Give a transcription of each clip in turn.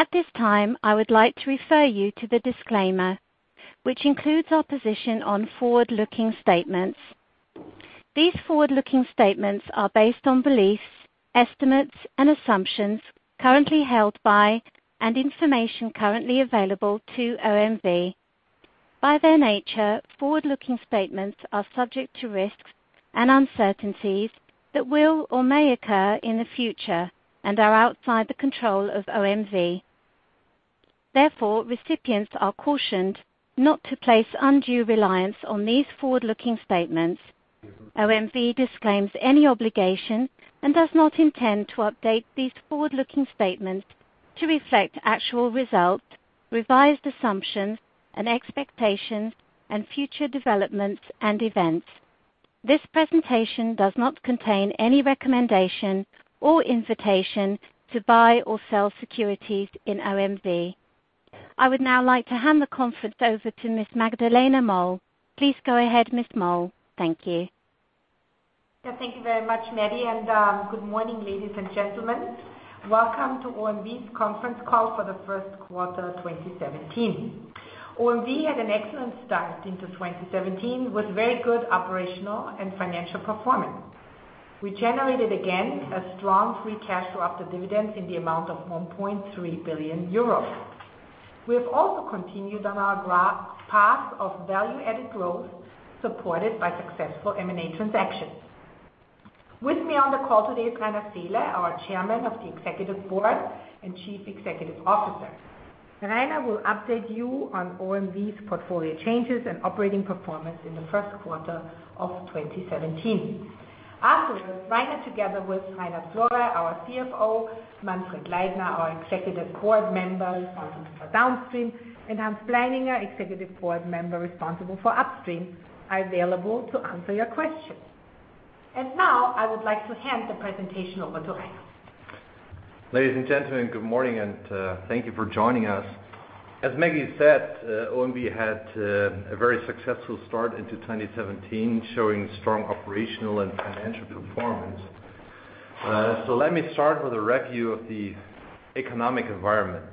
At this time, I would like to refer you to the disclaimer, which includes our position on forward-looking statements. These forward-looking statements are based on beliefs, estimates, and assumptions currently held by, and information currently available to OMV. By their nature, forward-looking statements are subject to risks and uncertainties that will or may occur in the future and are outside the control of OMV. Therefore, recipients are cautioned not to place undue reliance on these forward-looking statements. OMV disclaims any obligation and does not intend to update these forward-looking statements to reflect actual results, revised assumptions, and expectations, and future developments and events. This presentation does not contain any recommendation or invitation to buy or sell securities in OMV. I would now like to hand the conference over to Ms. Magdalena Moll. Please go ahead, Ms. Moll. Thank you. Yeah, thank you very much, Maggie, and good morning, ladies and gentlemen. Welcome to OMV's conference call for the first quarter 2017. OMV had an excellent start into 2017 with very good operational and financial performance. We generated, again, a strong free cash flow after dividends in the amount of 1.3 billion euros. We have also continued on our path of value-added growth, supported by successful M&A transactions. With me on the call today is Rainer Seele, our Chairman of the Executive Board and Chief Executive Officer. Rainer will update you on OMV's portfolio changes and operating performance in the first quarter of 2017. After, Rainer together with Reinhard Florey, our CFO, Manfred Leitner, our Executive Board Member responsible for Downstream, and Johann Pleininger, Executive Board Member responsible for Upstream, are available to answer your questions. Now I would like to hand the presentation over to Rainer. Ladies and gentlemen, good morning, and thank you for joining us. As Maggie said, OMV had a very successful start into 2017, showing strong operational and financial performance. Let me start with a review of the economic environment.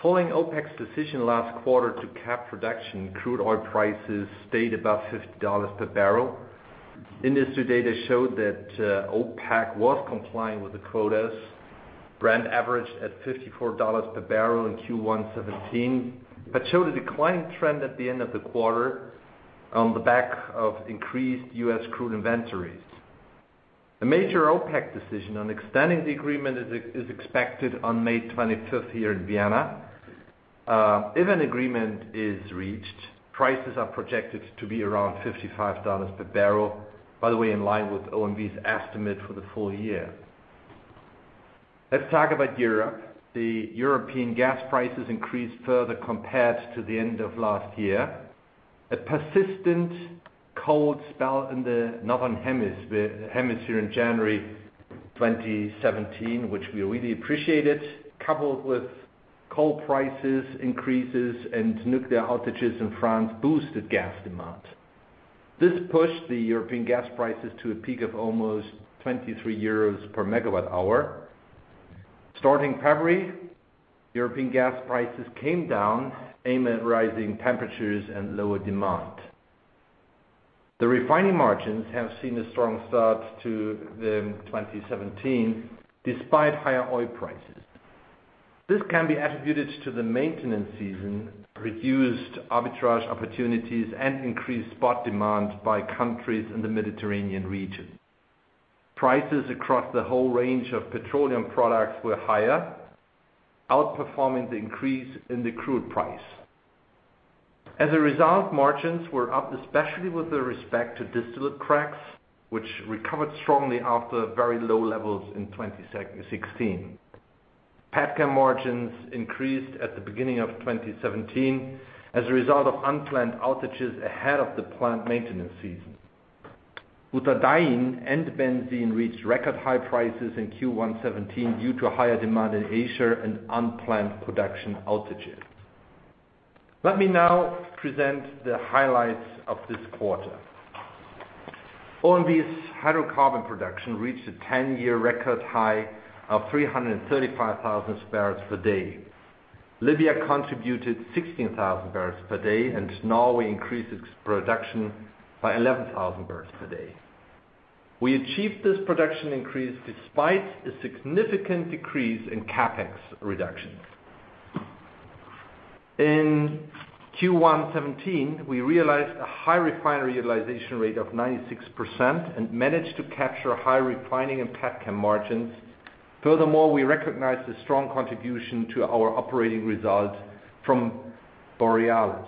Following OPEC's decision last quarter to cap production, crude oil prices stayed above $50 per barrel. Industry data showed that OPEC was compliant with the quotas. Brent averaged at $54 per barrel in Q1 2017, but showed a declining trend at the end of the quarter on the back of increased U.S. crude inventories. The major OPEC decision on extending the agreement is expected on May 25th here in Vienna. If an agreement is reached, prices are projected to be around $55 per barrel, by the way, in line with OMV's estimate for the full year. Let's talk about Europe. The European gas prices increased further compared to the end of last year. A persistent cold spell in the northern hemisphere in January 2017, which we really appreciated, coupled with coal prices increases and nuclear outages in France boosted gas demand. This pushed the European gas prices to a peak of almost 23 euros per megawatt hour. Starting February, European gas prices came down amid rising temperatures and lower demand. The refining margins have seen a strong start to the 2017 despite higher oil prices. This can be attributed to the maintenance season, reduced arbitrage opportunities, and increased spot demand by countries in the Mediterranean region. Prices across the whole range of petroleum products were higher, outperforming the increase in the crude price. As a result, margins were up, especially with respect to distillate cracks, which recovered strongly after very low levels in 2016. Petchem margins increased at the beginning of 2017 as a result of unplanned outages ahead of the plant maintenance season. Butadiene and benzene reached record-high prices in Q1 '17 due to higher demand in Asia and unplanned production outages. Let me now present the highlights of this quarter. OMV's hydrocarbon production reached a 10-year record high of 335,000 barrels per day. Libya contributed 16,000 barrels per day, and Norway increased its production by 11,000 barrels per day. We achieved this production increase despite a significant decrease in CapEx reductions. In Q1 '17, we realized a high refinery utilization rate of 96% and managed to capture high refining and petchem margins. Furthermore, we recognized the strong contribution to our operating results from Borealis.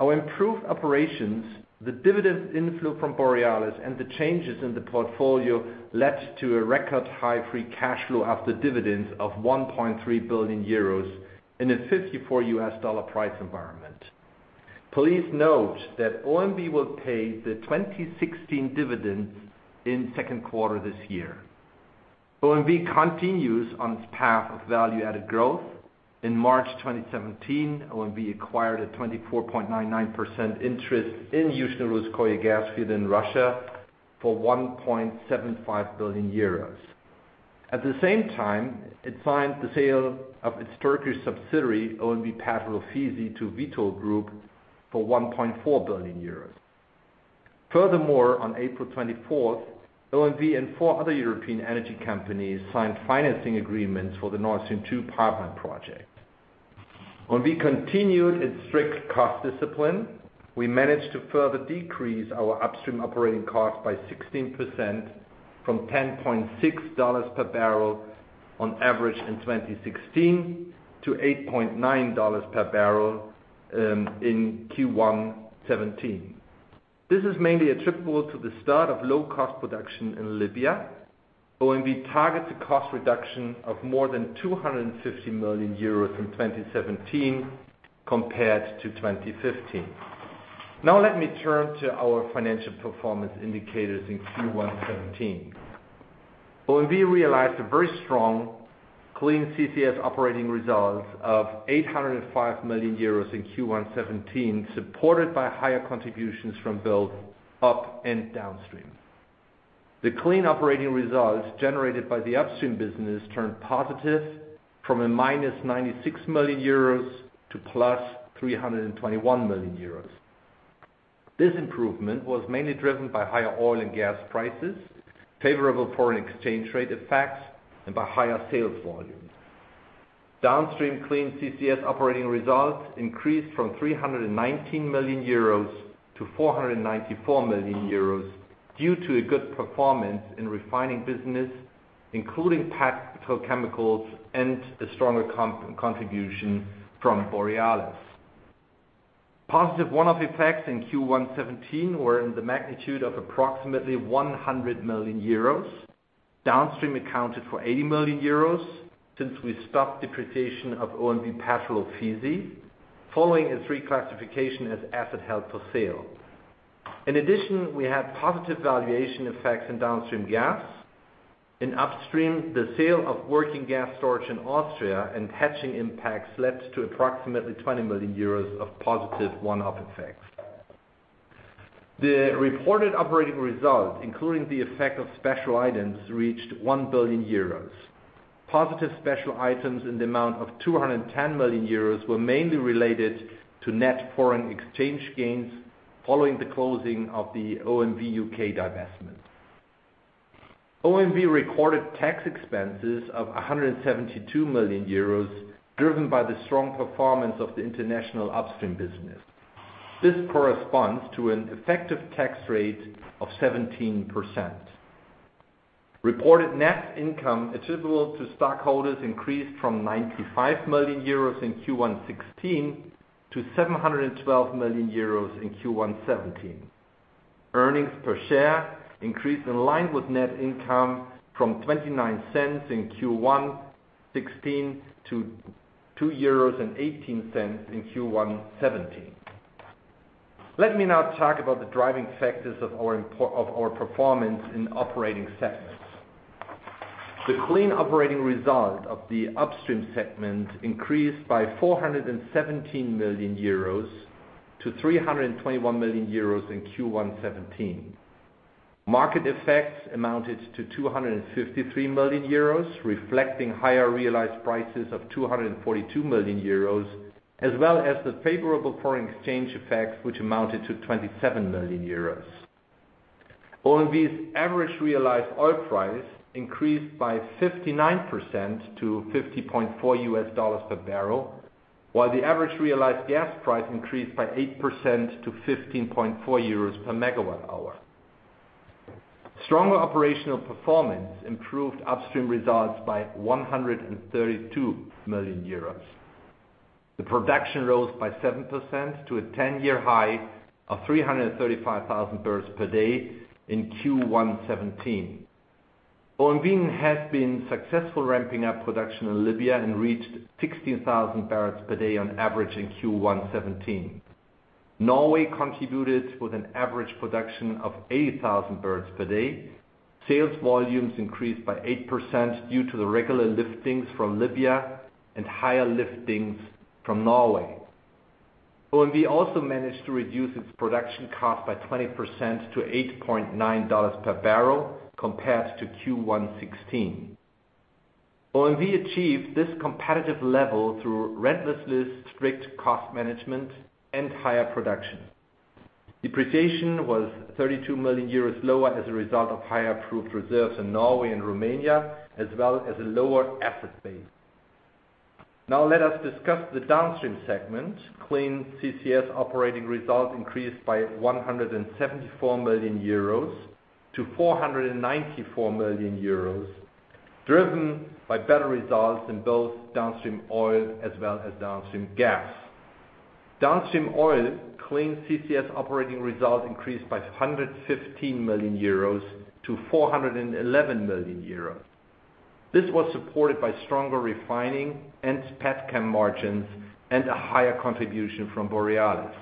Our improved operations, the dividend inflow from Borealis, and the changes in the portfolio led to a record high free cash flow after dividends of 1.3 billion euros in a $54 U.S. price environment. Please note that OMV will pay the 2016 dividends in the second quarter this year. OMV continues on its path of value-added growth. In March 2017, OMV acquired a 24.99% interest in Yuzhno Russkoye gas field in Russia for 1.75 billion euros. At the same time, it signed the sale of its Turkish subsidiary, OMV Petrol Ofisi, to Vitol Group for 1.4 billion euros. Furthermore, on April 24th, OMV and four other European energy companies signed financing agreements for the Nord Stream 2 pipeline project. OMV continued its strict cost discipline. We managed to further decrease our upstream operating cost by 16% from $10.6 per barrel on average in 2016 to $8.9 per barrel in Q1 '17. This is mainly attributable to the start of low-cost production in Libya. OMV targets a cost reduction of more than 250 million euros in 2017 compared to 2015. Now let me turn to our financial performance indicators in Q1 '17. OMV realized a very strong clean CCS Operating Result of 805 million euros in Q1 '17, supported by higher contributions from both up and downstream. The clean operating results generated by the upstream business turned positive from minus 96 million euros to plus 321 million euros. This improvement was mainly driven by higher oil and gas prices, favorable foreign exchange rate effects, and by higher sales volumes. Downstream clean CCS Operating Results increased from 319 million euros to 494 million euros due to a good performance in refining business, including petrochemicals and a stronger contribution from Borealis. Positive one-off effects in Q1 '17 were in the magnitude of approximately 100 million euros. Downstream accounted for 80 million euros since we stopped depreciation of OMV Petrol Ofisi, following its reclassification as asset held for sale. In addition, we had positive valuation effects in downstream gas. In upstream, the sale of working gas storage in Austria and hedging impacts led to approximately 20 million euros of positive one-off effects. The reported operating result, including the effect of special items, reached 1 billion euros. Positive special items in the amount of 210 million euros were mainly related to net foreign exchange gains following the closing of the OMV U.K. divestment. OMV recorded tax expenses of 172 million euros driven by the strong performance of the international upstream business. This corresponds to an effective tax rate of 17%. Reported net income attributable to stockholders increased from 95 million euros in Q1 2016 to 712 million euros in Q1 2017. Earnings per share increased in line with net income from 0.29 in Q1 2016 to 2.18 euros in Q1 2017. Let me now talk about the driving factors of our performance in operating segments. The clean Operating Result of the Upstream segment increased by 417 million euros to 321 million euros in Q1 2017. Market effects amounted to 253 million euros, reflecting higher realized prices of 242 million euros, as well as the favorable foreign exchange effects, which amounted to 27 million euros. OMV's average realized oil price increased by 59% to $50.4 per barrel, while the average realized gas price increased by 8% to 15.4 euros per megawatt hour. Stronger operational performance improved Upstream results by 132 million euros. The production rose by 7% to a 10-year high of 335,000 barrels per day in Q1 2017. OMV has been successful ramping up production in Libya and reached 16,000 barrels per day on average in Q1 2017. Norway contributed with an average production of 80,000 barrels per day. Sales volumes increased by 8% due to the regular liftings from Libya and higher liftings from Norway. OMV also managed to reduce its production cost by 20% to EUR 8.90 per barrel compared to Q1 2016. OMV achieved this competitive level through relentlessly strict cost management and higher production. Depreciation was 32 million euros lower as a result of higher approved reserves in Norway and Romania, as well as a lower asset base. Now let us discuss the Downstream segment. Clean CCS Operating Results increased by 174 million euros to 494 million euros, driven by better results in both Downstream Oil as well as Downstream Gas. Downstream Oil clean CCS Operating Results increased by 115 million euros to 411 million euros. This was supported by stronger refining and petchem margins and a higher contribution from Borealis.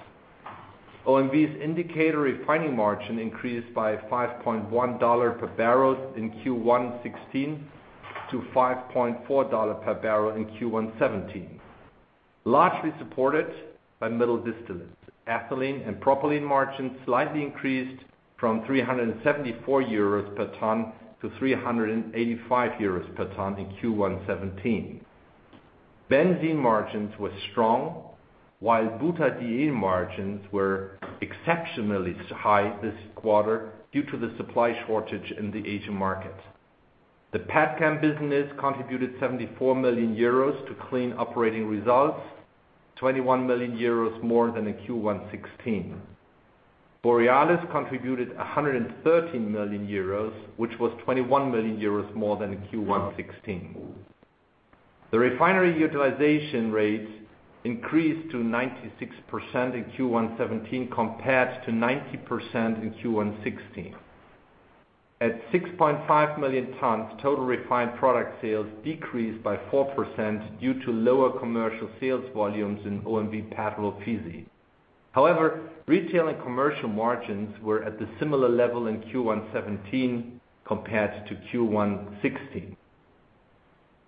OMV's indicator refining margin increased by EUR 5.1 per barrel in Q1 2016 to EUR 5.4 per barrel in Q1 2017, largely supported by middle distillates. Ethylene and propylene margins slightly increased from 374 euros per tonne to 385 euros per tonne in Q1 2017. Benzene margins were strong, while butadiene margins were exceptionally high this quarter due to the supply shortage in the Asian market. The petchem business contributed 74 million euros to clean Operating Results, 21 million euros more than in Q1 2016. Borealis contributed 113 million euros, which was 21 million euros more than in Q1 2016. The refinery utilization rates increased to 96% in Q1 2017, compared to 90% in Q1 2016. At 6.5 million tonnes, total refined product sales decreased by 4% due to lower commercial sales volumes in OMV Petrol Ofisi. However, retail and commercial margins were at the similar level in Q1 2017 compared to Q1 2016.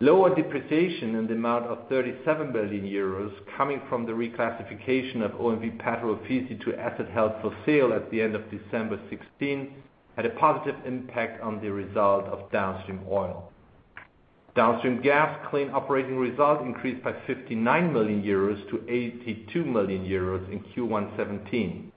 Lower depreciation in the amount of 37 million euros, coming from the reclassification of OMV Petrol Ofisi to asset held for sale at the end of December 2016, had a positive impact on the result of Downstream Oil. Downstream Gas clean Operating Result increased by 59 million euros to 82 million euros in Q1 2017.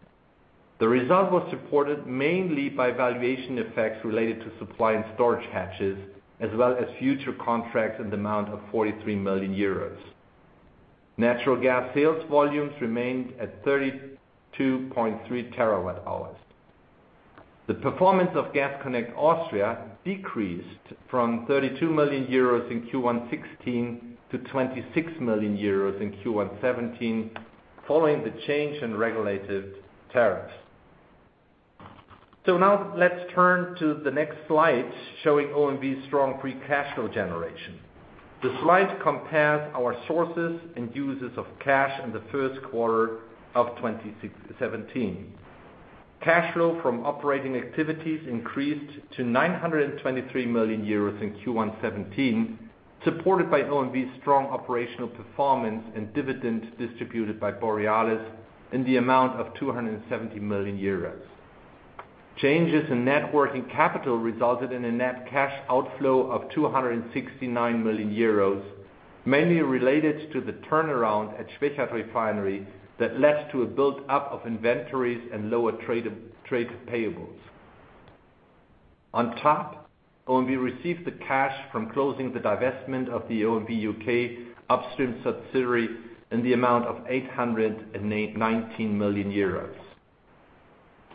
The result was supported mainly by valuation effects related to supply and storage hedges, as well as future contracts in the amount of 43 million euros. Natural gas sales volumes remained at 32.3 terawatt hours. The performance of Gas Connect Austria decreased from 32 million euros in Q1 2016 to 26 million euros in Q1 2017, following the change in regulated tariffs. Now let's turn to the next slide, showing OMV's strong free cash flow generation. The slide compares our sources and uses of cash in the first quarter of 2017. Cash flow from operating activities increased to 923 million euros in Q1 2017, supported by OMV's strong operational performance and dividend distributed by Borealis in the amount of 270 million euros. Changes in net working capital resulted in a net cash outflow of 269 million euros, mainly related to the turnaround at Schwechat refinery that led to a build-up of inventories and lower trade payables. On top, OMV received the cash from closing the divestment of the OMV (U.K.) upstream subsidiary in the amount of 819 million euros.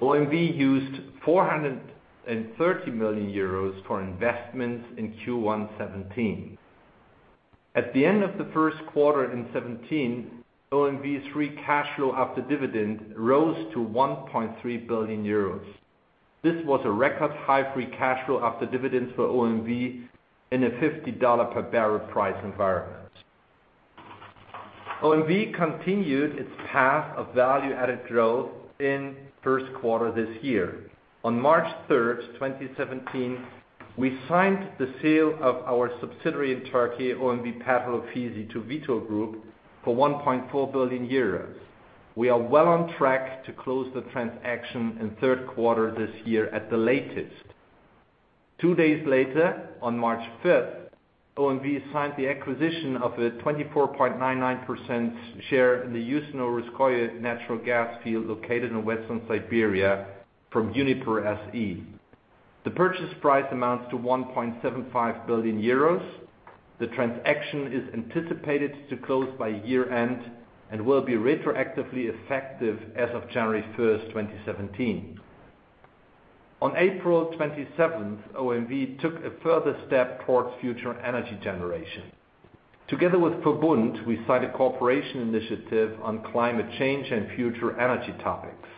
OMV used 430 million euros for investments in Q1 2017. At the end of the first quarter in 2017, OMV's free cash flow after dividend rose to 1.3 billion euros. This was a record high free cash flow after dividends for OMV in a $50 per barrel price environment. OMV continued its path of value-added growth in first quarter this year. On March 3, 2017, we signed the sale of our subsidiary in Turkey, OMV Petrol Ofisi, to Vitol Group for 1.4 billion euros. We are well on track to close the transaction in third quarter this year at the latest. Two days later, on March 5, OMV signed the acquisition of a 24.99% share in the Yuzhno Russkoye natural gas field, located in Western Siberia, from Uniper SE. The purchase price amounts to 1.75 billion euros. The transaction is anticipated to close by year-end, and will be retroactively effective as of January 1, 2017. On April 27, OMV took a further step towards future energy generation. Together with Verbund, we signed a cooperation initiative on climate change and future energy topics.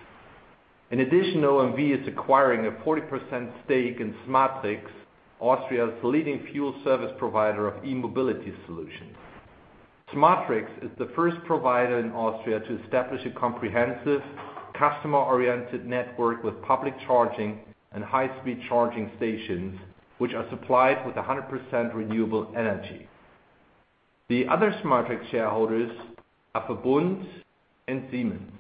In addition, OMV is acquiring a 40% stake in SMATRICS, Austria's leading fuel service provider of e-mobility solutions. SMATRICS is the first provider in Austria to establish a comprehensive customer-oriented network with public charging and high-speed charging stations, which are supplied with 100% renewable energy. The other SMATRICS shareholders are Verbund and Siemens.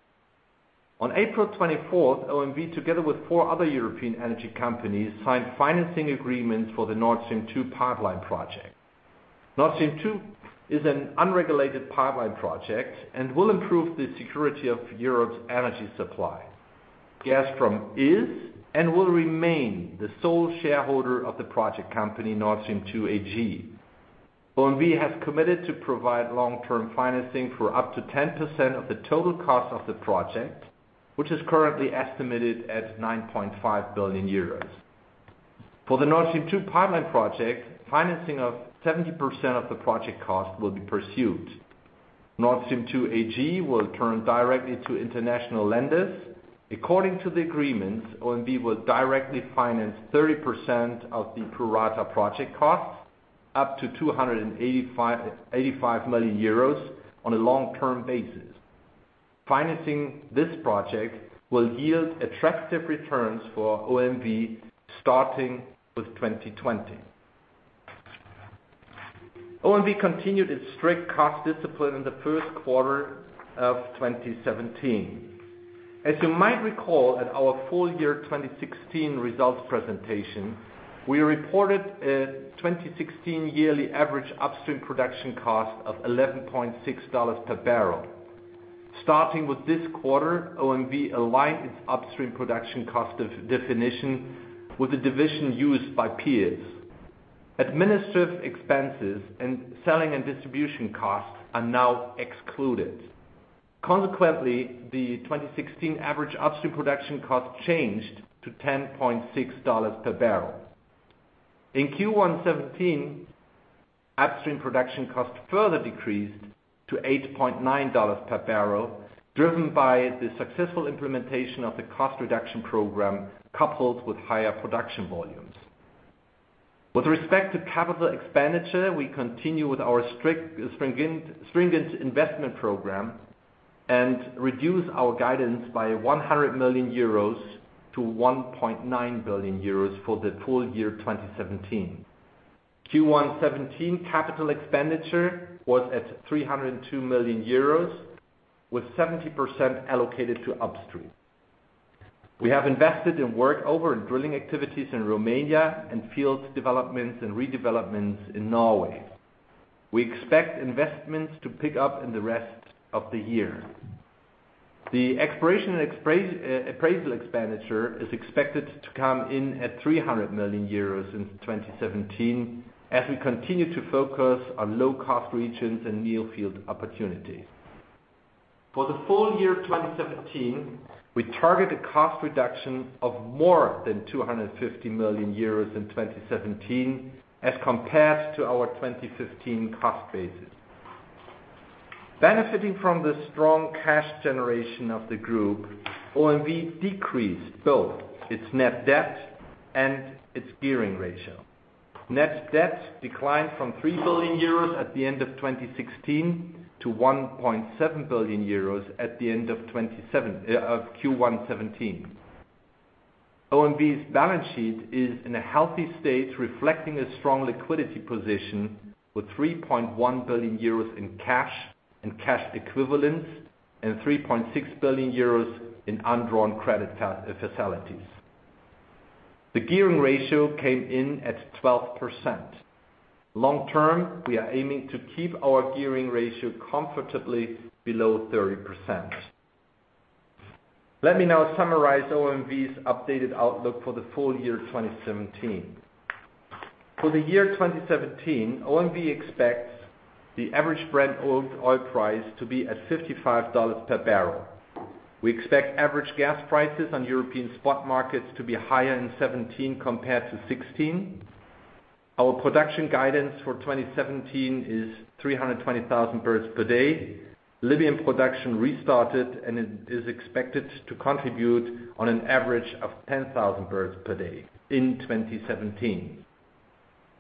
On April 24, OMV, together with four other European energy companies, signed financing agreements for the Nord Stream 2 pipeline project. Nord Stream 2 is an unregulated pipeline project and will improve the security of Europe's energy supply. Gazprom is and will remain the sole shareholder of the project company, Nord Stream 2 AG. OMV has committed to provide long-term financing for up to 10% of the total cost of the project, which is currently estimated at 9.5 billion euros. For the Nord Stream 2 pipeline project, financing of 70% of the project cost will be pursued. Nord Stream 2 AG will turn directly to international lenders. According to the agreements, OMV will directly finance 30% of the pro rata project costs. Up to 285 million euros on a long-term basis. Financing this project will yield attractive returns for OMV, starting with 2020. OMV continued its strict cost discipline in the first quarter of 2017. As you might recall, at our full year 2016 results presentation, we reported a 2016 yearly average upstream production cost of $11.60 per barrel. Starting with this quarter, OMV aligned its upstream production cost definition with the division used by peers. Administrative expenses and selling and distribution costs are now excluded. Consequently, the 2016 average upstream production cost changed to $10.60 per barrel. In Q1 2017, upstream production cost further decreased to $8.90 per barrel, driven by the successful implementation of the cost reduction program, coupled with higher production volumes. With respect to CapEx, we continue with our stringent investment program and reduce our guidance by 100 million euros to 1.9 billion euros for the full year 2017. Q1 2017 CapEx was at 302 million euros, with 70% allocated to upstream. We have invested in workover and drilling activities in Romania and field developments and redevelopments in Norway. We expect investments to pick up in the rest of the year. The exploration and appraisal expenditure is expected to come in at 300 million euros in 2017, as we continue to focus on low-cost regions and new field opportunities. For the full year 2017, we target a cost reduction of more than 250 million euros in 2017 as compared to our 2015 cost basis. Benefiting from the strong cash generation of the group, OMV decreased both its net debt and its gearing ratio. Net debt declined from 3 billion euros at the end of 2016 to 1.7 billion euros at the end of Q1 2017. OMV's balance sheet is in a healthy state, reflecting a strong liquidity position with 3.1 billion euros in cash and cash equivalents and 3.6 billion euros in undrawn credit facilities. The gearing ratio came in at 12%. Long term, we are aiming to keep our gearing ratio comfortably below 30%. Let me now summarize OMV's updated outlook for the full year 2017. For the year 2017, OMV expects the average Brent oil price to be at $55 per barrel. We expect average gas prices on European spot markets to be higher in 2017 compared to 2016. Our production guidance for 2017 is 320,000 barrels per day. Libyan production restarted, and it is expected to contribute on an average of 10,000 barrels per day in 2017.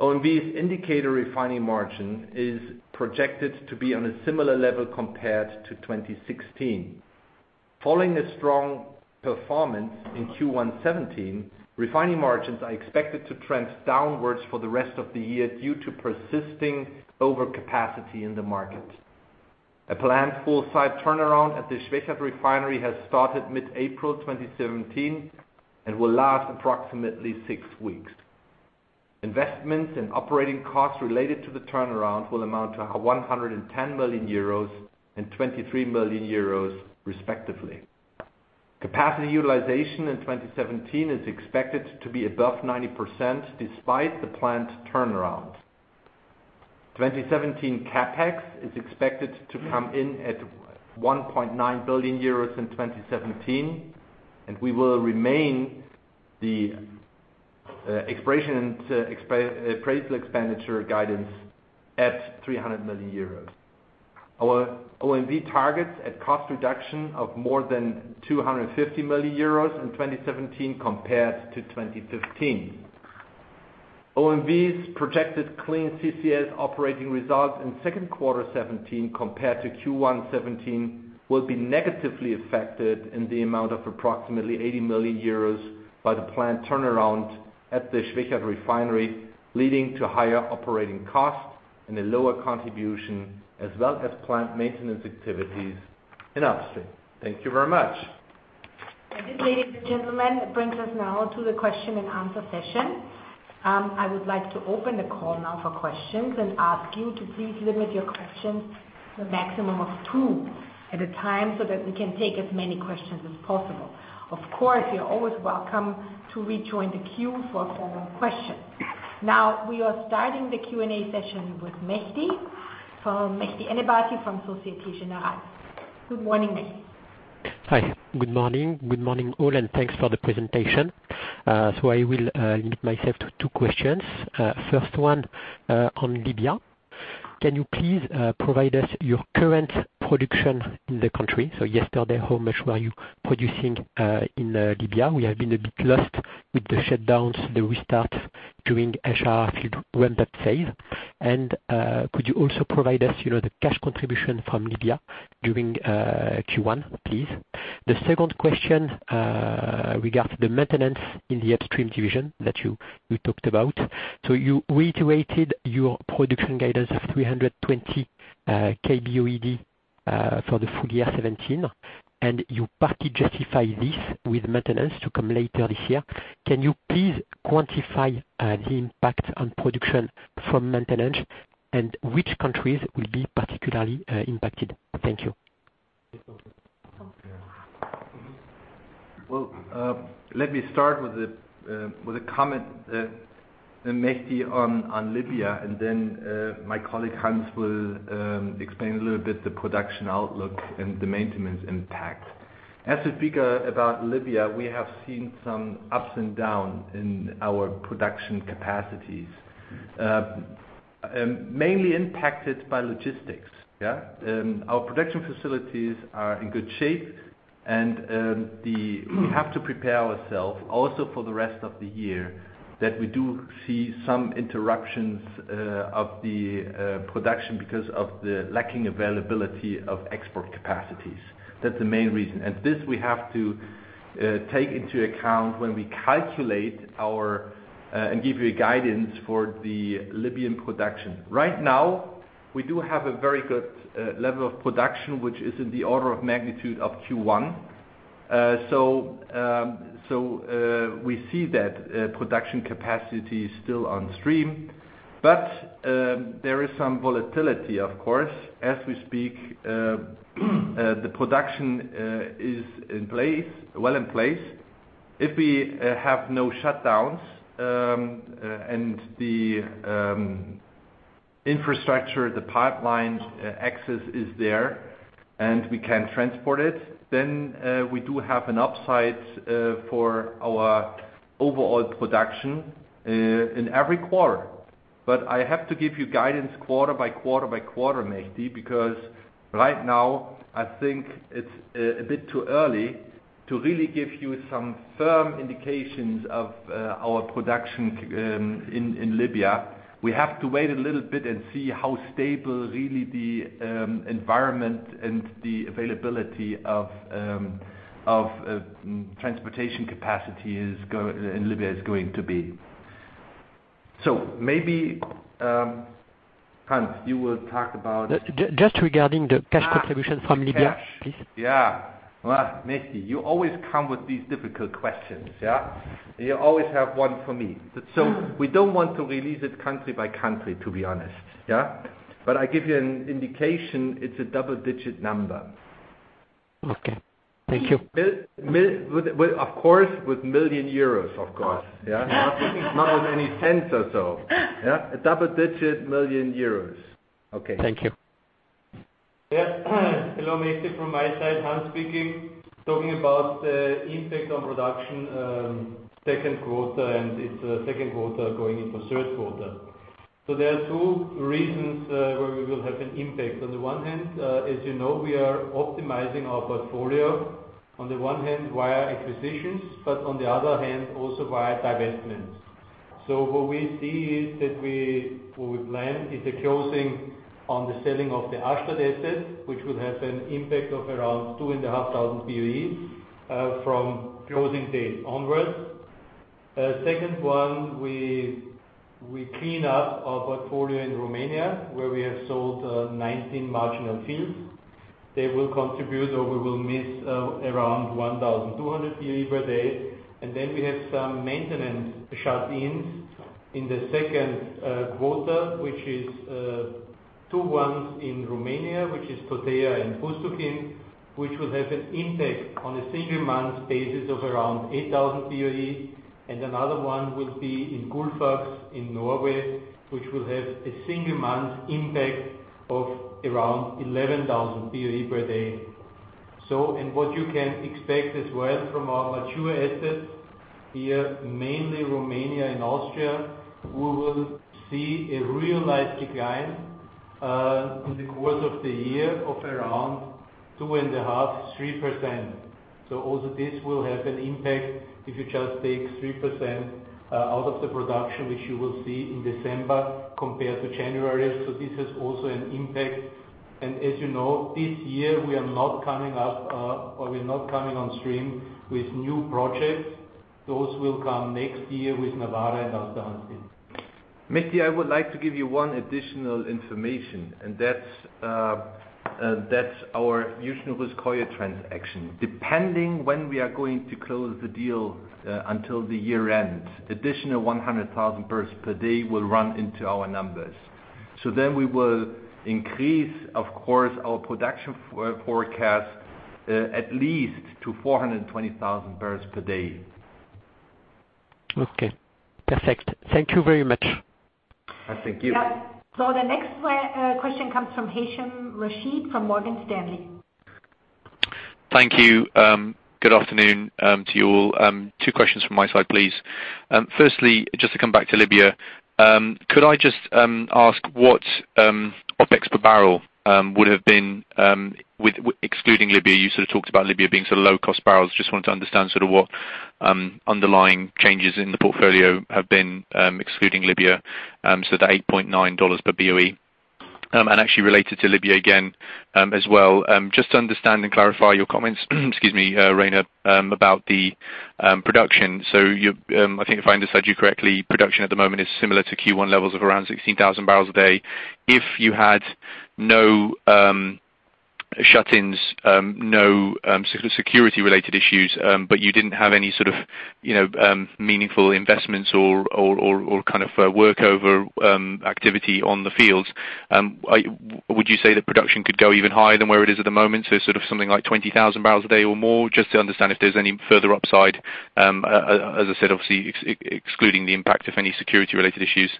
OMV's indicator refining margin is projected to be on a similar level compared to 2016. Following a strong performance in Q1 2017, refining margins are expected to trend downwards for the rest of the year due to persisting overcapacity in the market. A planned full site turnaround at the Schwechat refinery has started mid-April 2017 and will last approximately six weeks. Investments in operating costs related to the turnaround will amount to 110 million euros and 23 million euros respectively. Capacity utilization in 2017 is expected to be above 90%, despite the planned turnaround. 2017 CapEx is expected to come in at 1.9 billion euros in 2017, and we will remain the exploration and appraisal expenditure guidance at 300 million euros. Our OMV targets at cost reduction of more than 250 million euros in 2017 compared to 2015. OMV's projected clean CCS Operating Result in second quarter 2017 compared to Q1 2017 will be negatively affected in the amount of approximately 80 million euros by the planned turnaround at the Schwechat refinery, leading to higher operating costs and a lower contribution as well as plant maintenance activities in Upstream. Thank you very much. Thank you, ladies and gentlemen, that brings us now to the question and answer session. I would like to open the call now for questions and ask you to please limit your questions to a maximum of two at a time so that we can take as many questions as possible. Of course, you're always welcome to rejoin the queue for a follow-up question. Now, we are starting the Q&A session with Mehdi Ennebati from Societe Generale. Good morning, Mehdi. Hi, good morning. Good morning, all, and thanks for the presentation. I will limit myself to two questions. First one on Libya. Can you please provide us your current production in the country? Yesterday, how much were you producing in Libya? We have been a bit lost with the shutdowns, the restart during HR field ramp up phase. Could you also provide us the cash contribution from Libya during Q1, please? The second question regards the maintenance in the upstream division that you talked about. You reiterated your production guidance of 320 kboe/d for the full year 2017, and you partly justify this with maintenance to come later this year. Can you please quantify the impact on production from maintenance and which countries will be particularly impacted? Thank you. Let me start with a comment, Mehdi, on Libya, and then my colleague, Hans, will explain a little bit the production outlook and the maintenance impact. As we speak about Libya, we have seen some ups and downs in our production capacities. Mainly impacted by logistics. Our production facilities are in good shape, and we have to prepare ourselves also for the rest of the year, that we do see some interruptions of the production because of the lacking availability of export capacities. That's the main reason. This, we have to take into account when we calculate and give you a guidance for the Libyan production. Right now, we do have a very good level of production, which is in the order of magnitude of Q1. We see that production capacity is still on stream. There is some volatility of course. As we speak, the production is well in place. If we have no shutdowns, and the infrastructure, the pipeline access is there, and we can transport it, then we do have an upside for our overall production in every quarter. I have to give you guidance quarter by quarter by quarter, Mehdi, because right now, I think it's a bit too early to really give you some firm indications of our production in Libya. We have to wait a little bit and see how stable really the environment and the availability of transportation capacity in Libya is going to be. Maybe, Hans, you will talk about. Just regarding the cash contribution from Libya. Cash. Yeah. Mehdi, you always come with these difficult questions. You always have one for me. We don't want to release it country by country, to be honest. I give you an indication, it's a double-digit number. Okay. Thank you. Of course, with million EUR. Not with any cents or so. A double-digit million EUR. Okay. Thank you. Hello, Mehdi, from my side, Hans speaking. Talking about the impact on production second quarter. It's second quarter going into third quarter. There are two reasons where we will have an impact. On the one hand, as you know, we are optimizing our portfolio, on the one hand via acquisitions, but on the other hand, also via divestments. What we see is that we plan a closing on the selling of the Asgard asset, which will have an impact of around 2,500 BOE from closing date onwards. Second one, we clean up our portfolio in Romania, where we have sold 19 marginal fields. They will contribute, or we will miss around 1,200 BOE per day. We have some maintenance shut-ins in the second quarter, which is two ones in Romania, which is Totea and Buzaucheni, which will have an impact on a single-month basis of around 8,000 BOE. Another one will be in Gullfaks in Norway, which will have a single-month impact of around 11,000 BOE per day. What you can expect as well from our mature assets here, mainly Romania and Austria, we will see a realized decline in the course of the year of around 2.5%-3%. Also this will have an impact if you just take 3% out of the production, which you will see in December compared to January. This has also an impact, and as you know, this year we are not coming up or we're not coming on stream with new projects. Those will come next year with Nawara and Aasta Hansteen. Mehdi, I would like to give you one additional information, and that's our Yuzhno Russkoye transaction. Depending when we are going to close the deal until the year-end, additional 100,000 barrels per day will run into our numbers. We will increase, of course, our production forecast at least to 420,000 barrels per day. Okay, perfect. Thank you very much. I thank you. The next question comes from Haythem Rashed from Morgan Stanley. Thank you. Good afternoon to you all. Two questions from my side, please. Firstly, just to come back to Libya, could I just ask what, OpEx per barrel would have been excluding Libya? You sort of talked about Libya being low-cost barrels. Just wanted to understand what underlying changes in the portfolio have been, excluding Libya, so the $8.9 per BOE. Actually related to Libya again as well, just to understand and clarify your comments, excuse me, Rainer, about the production. I think if I understood you correctly, production at the moment is similar to Q1 levels of around 16,000 barrels a day. If you had no shut-ins, no security-related issues, but you didn't have any sort of meaningful investments or workover activity on the fields, would you say that production could go even higher than where it is at the moment? Something like 20,000 barrels a day or more? Just to understand if there's any further upside, as I said, obviously, excluding the impact of any security-related issues.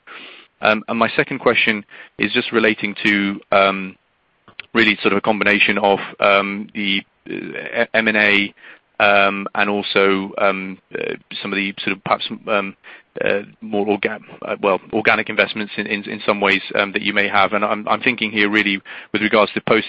My second question is just relating to really a combination of the M&A, and also some of the perhaps more organic investments in some ways that you may have. I'm thinking here really with regards to post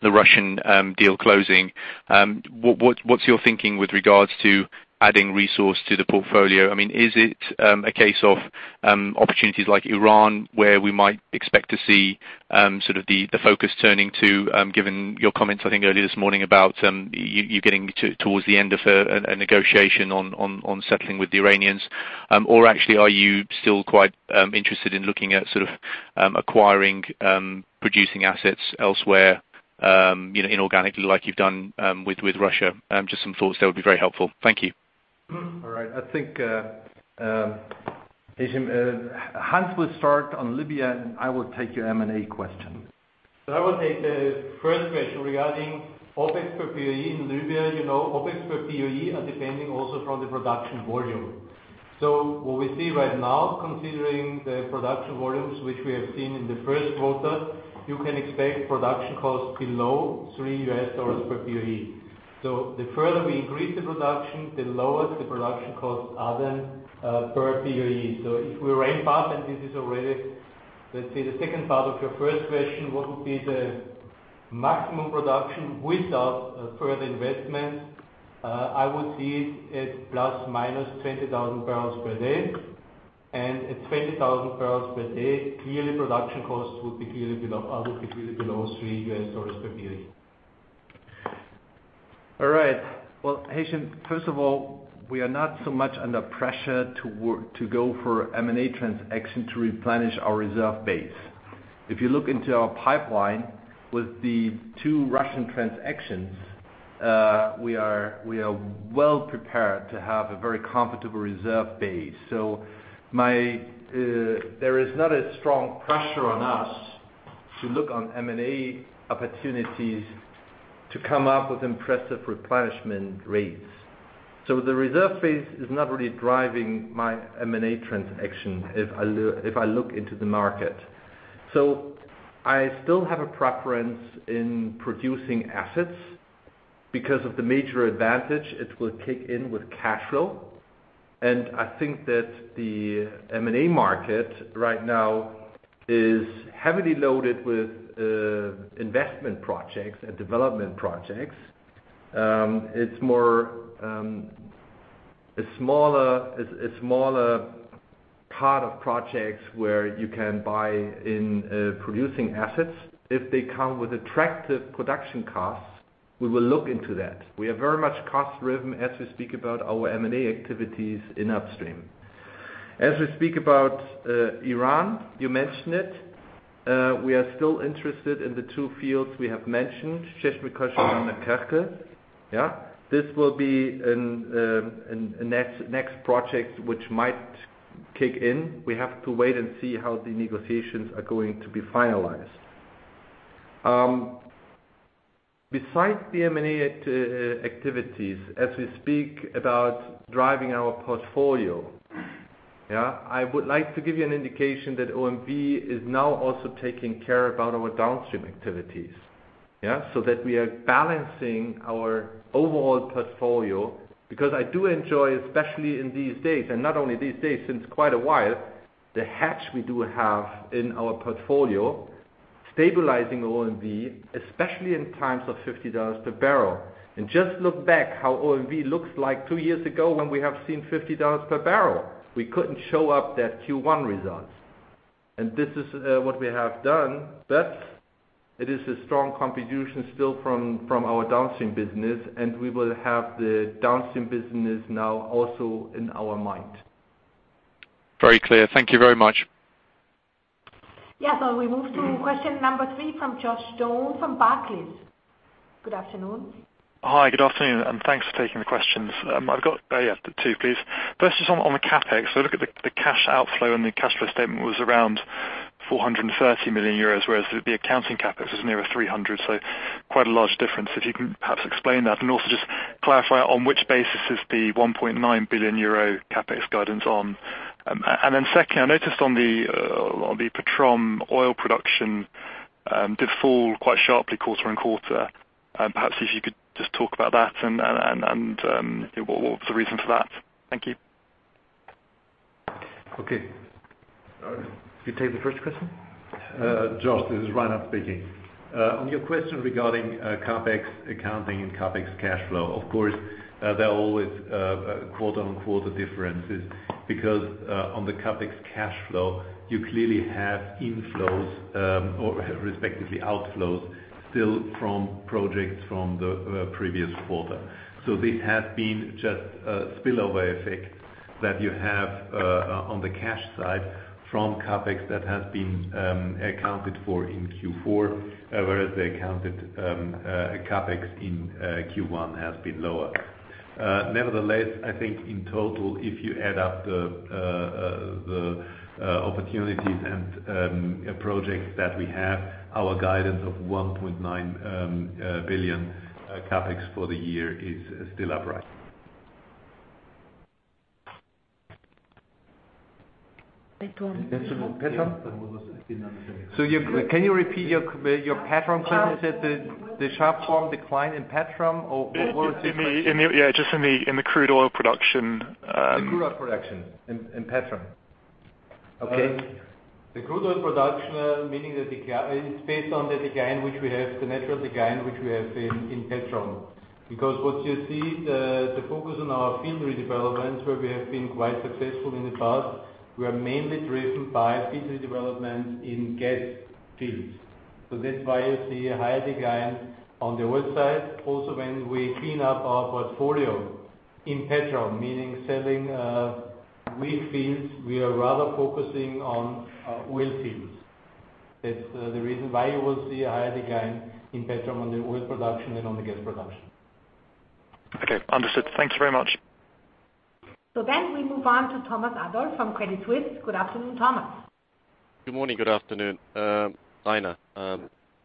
the Russian deal closing. What's your thinking with regards to adding resource to the portfolio? Is it a case of opportunities like Iran, where we might expect to see the focus turning to, given your comments, I think, earlier this morning about you getting towards the end of a negotiation on settling with the Iranians. Actually, are you still quite interested in looking at acquiring producing assets elsewhere inorganically like you've done with Russia? Just some thoughts there would be very helpful. Thank you. All right. I think, Haythem, Hans will start on Libya, and I will take your M&A question. I will take the first question regarding OpEx per BOE in Libya. OpEx per BOE are depending also from the production volume. What we see right now, considering the production volumes which we have seen in the first quarter, you can expect production costs below $3 per BOE. The further we increase the production, the lower the production costs are then per BOE. If we ramp up, and this is already, let's say, the second part of your first question, what would be the maximum production without further investment? I would see it at ±20,000 barrels per day. At 20,000 barrels per day, clearly production costs would be clearly below $3 per BOE. Well, Hesham, first of all, we are not so much under pressure to go for M&A transaction to replenish our reserve base. If you look into our pipeline with the two Russian transactions, we are well prepared to have a very comfortable reserve base. There is not a strong pressure on us to look on M&A opportunities to come up with impressive replenishment rates. The reserve base is not really driving my M&A transaction if I look into the market. I still have a preference in producing assets because of the major advantage it will kick in with cash flow. I think that the M&A market right now is heavily loaded with investment projects and development projects. It's more a smaller part of projects where you can buy in producing assets. If they come with attractive production costs, we will look into that. We are very much cost-driven as we speak about our M&A activities in upstream. As we speak about Iran, you mentioned it, we are still interested in the two fields we have mentioned, 11 and 12. This will be a next project which might kick in. We have to wait and see how the negotiations are going to be finalized. Besides the M&A activities, as we speak about driving our portfolio, I would like to give you an indication that OMV is now also taking care about our downstream activities. That we are balancing our overall portfolio because I do enjoy, especially in these days, and not only these days, since quite a while, the hedge we do have in our portfolio stabilizing OMV, especially in times of $50 per barrel. Just look back how OMV looked like two years ago when we have seen $50 per barrel. We couldn't show up that Q1 results. This is what we have done, it is a strong contribution still from our downstream business, we will have the downstream business now also in our mind. Very clear. Thank you very much. Yeah, we move to question number three from Joshua Stone from Barclays. Good afternoon. Hi, good afternoon, thanks for taking the questions. I've got two, please. First, just on the CapEx. Look at the cash outflow and the cash flow statement was around 430 million euros, whereas the accounting CapEx was nearer 300 million, quite a large difference. If you can perhaps explain that also just clarify on which basis is the 1.9 billion euro CapEx guidance on Secondly, I noticed on the Petrom oil production did fall quite sharply quarter-on-quarter. Perhaps if you could just talk about that and what was the reason for that? Thank you. Okay. You take the first question? Josh, this is Reinhard speaking. On your question regarding CapEx accounting and CapEx cash flow, of course, there are always quote-unquote differences because, on the CapEx cash flow, you clearly have inflows, or respectively outflows, still from projects from the previous quarter. This has been just a spillover effect that you have on the cash side from CapEx that has been accounted for in Q4. Whereas the accounted CapEx in Q1 has been lower. Nevertheless, I think in total, if you add up the opportunities and projects that we have, our guidance of 1.9 billion CapEx for the year is still upright. Petrom? Can you repeat your Petrom question? Is it the sharp fall decline in Petrom, or what was the question? Yeah, just in the crude oil production. The crude oil production in Petrom. Okay. The crude oil production, it's based on the decline which we have, the natural decline which we have in Petrom. Because what you see, the focus on our field redevelopments, where we have been quite successful in the past. We are mainly driven by field redevelopment in gas fields. That's why you see a higher decline on the oil side. Also, when we clean up our portfolio in Petrom, meaning selling weak fields, we are rather focusing on oil fields. That's the reason why you will see a higher decline in Petrom on the oil production than on the gas production. Okay, understood. Thank you very much. We move on to Thomas Adolff from Credit Suisse. Good afternoon, Thomas. Good morning. Good afternoon. Rainer, I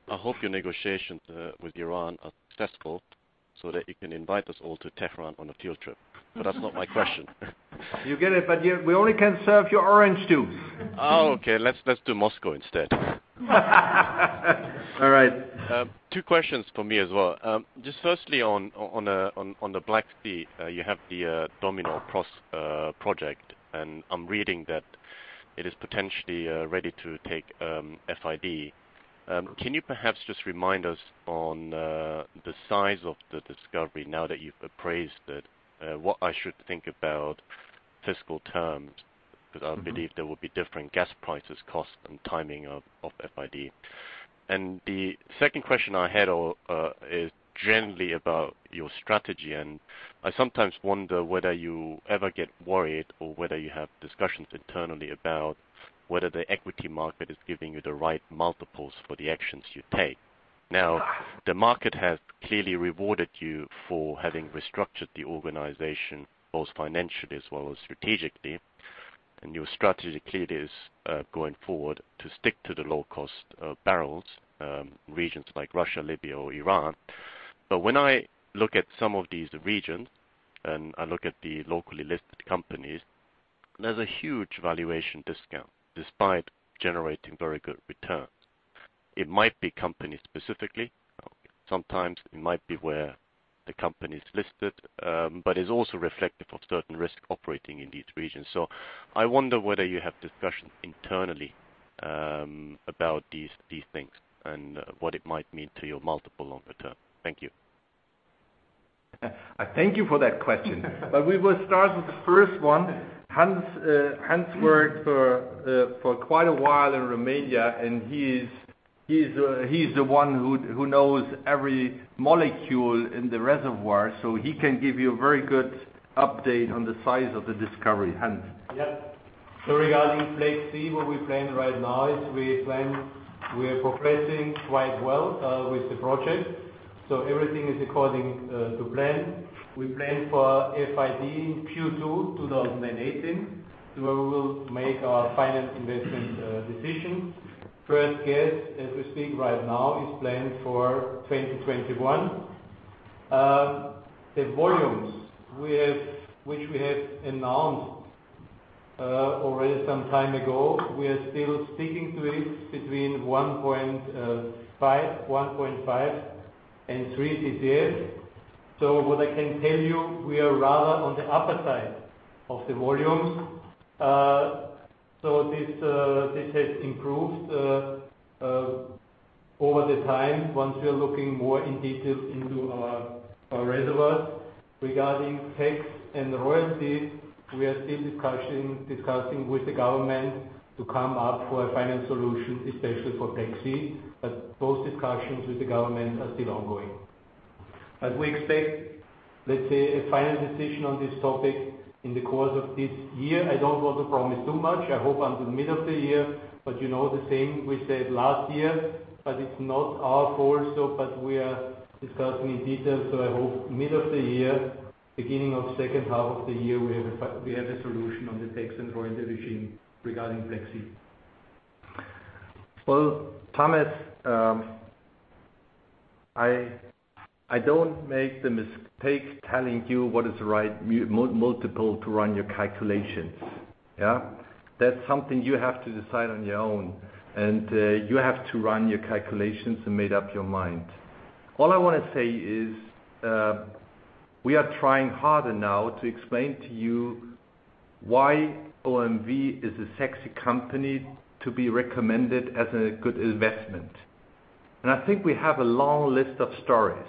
hope your negotiations with Iran are successful so that you can invite us all to Tehran on a field trip. That's not my question. You get it, but we only can serve you orange juice. Oh, okay. Let's do Moscow instead. All right. Two questions from me as well. Just firstly on the Black Sea, you have the Domino project, and I'm reading that it is potentially ready to take FID. Can you perhaps just remind us on the size of the discovery now that you've appraised it, what I should think about fiscal terms? Because I believe there will be different gas prices, costs, and timing of FID. The second question I had is generally about your strategy, and I sometimes wonder whether you ever get worried or whether you have discussions internally about whether the equity market is giving you the right multiples for the actions you take. Now, the market has clearly rewarded you for having restructured the organization, both financially as well as strategically. Your strategy clearly is, going forward, to stick to the low-cost barrels, regions like Russia, Libya, or Iran. When I look at some of these regions, I look at the locally listed companies, there's a huge valuation discount despite generating very good returns. It might be company-specifically. Sometimes it might be where the company's listed. It's also reflective of certain risks operating in these regions. I wonder whether you have discussions internally about these things and what it might mean to your multiple longer-term. Thank you. I thank you for that question. We will start with the first one. Hans worked for quite a while in Romania, he's the one who knows every molecule in the reservoir, he can give you a very good update on the size of the discovery. Hans? Regarding Black Sea, what we plan right now is we are progressing quite well with the project. Everything is according to plan. We plan for FID in Q2 2018, where we will make our final investment decision. First gas, as we speak right now, is planned for 2021. The volumes, which we have announced already some time ago, we are still sticking to it, between 1.5 and 3 TCF. What I can tell you, we are rather on the upper side of the volumes. This has improved over the time, once we are looking more in detail into our reservoir. Regarding tax and royalties, we are still discussing with the government to come up with a final solution, especially for tax regime. Those discussions with the government are still ongoing. As we expect, let's say, a final decision on this topic in the course of this year. I don't want to promise too much. I hope until the middle of the year. You know the saying, we said last year, but it's not our call. We are discussing in detail, I hope middle of the year, beginning of second half of the year, we have a solution on the tax and royalty regime regarding Black Sea. Well, Thomas, I don't make the mistake telling you what is the right multiple to run your calculations. That's something you have to decide on your own, and you have to run your calculations and make up your mind. All I want to say is, we are trying harder now to explain to you why OMV is a sexy company to be recommended as a good investment. I think we have a long list of stories.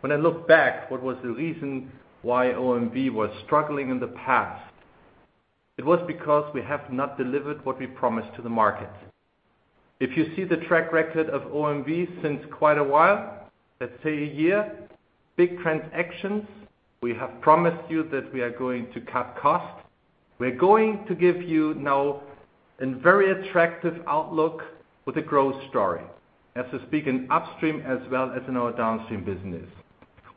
When I look back, what was the reason why OMV was struggling in the past? It was because we have not delivered what we promised to the market. If you see the track record of OMV since quite a while, let's say a year, big transactions, we have promised you that we are going to cut costs. We're going to give you now a very attractive outlook with a growth story, so to speak, in upstream, as well as in our downstream business.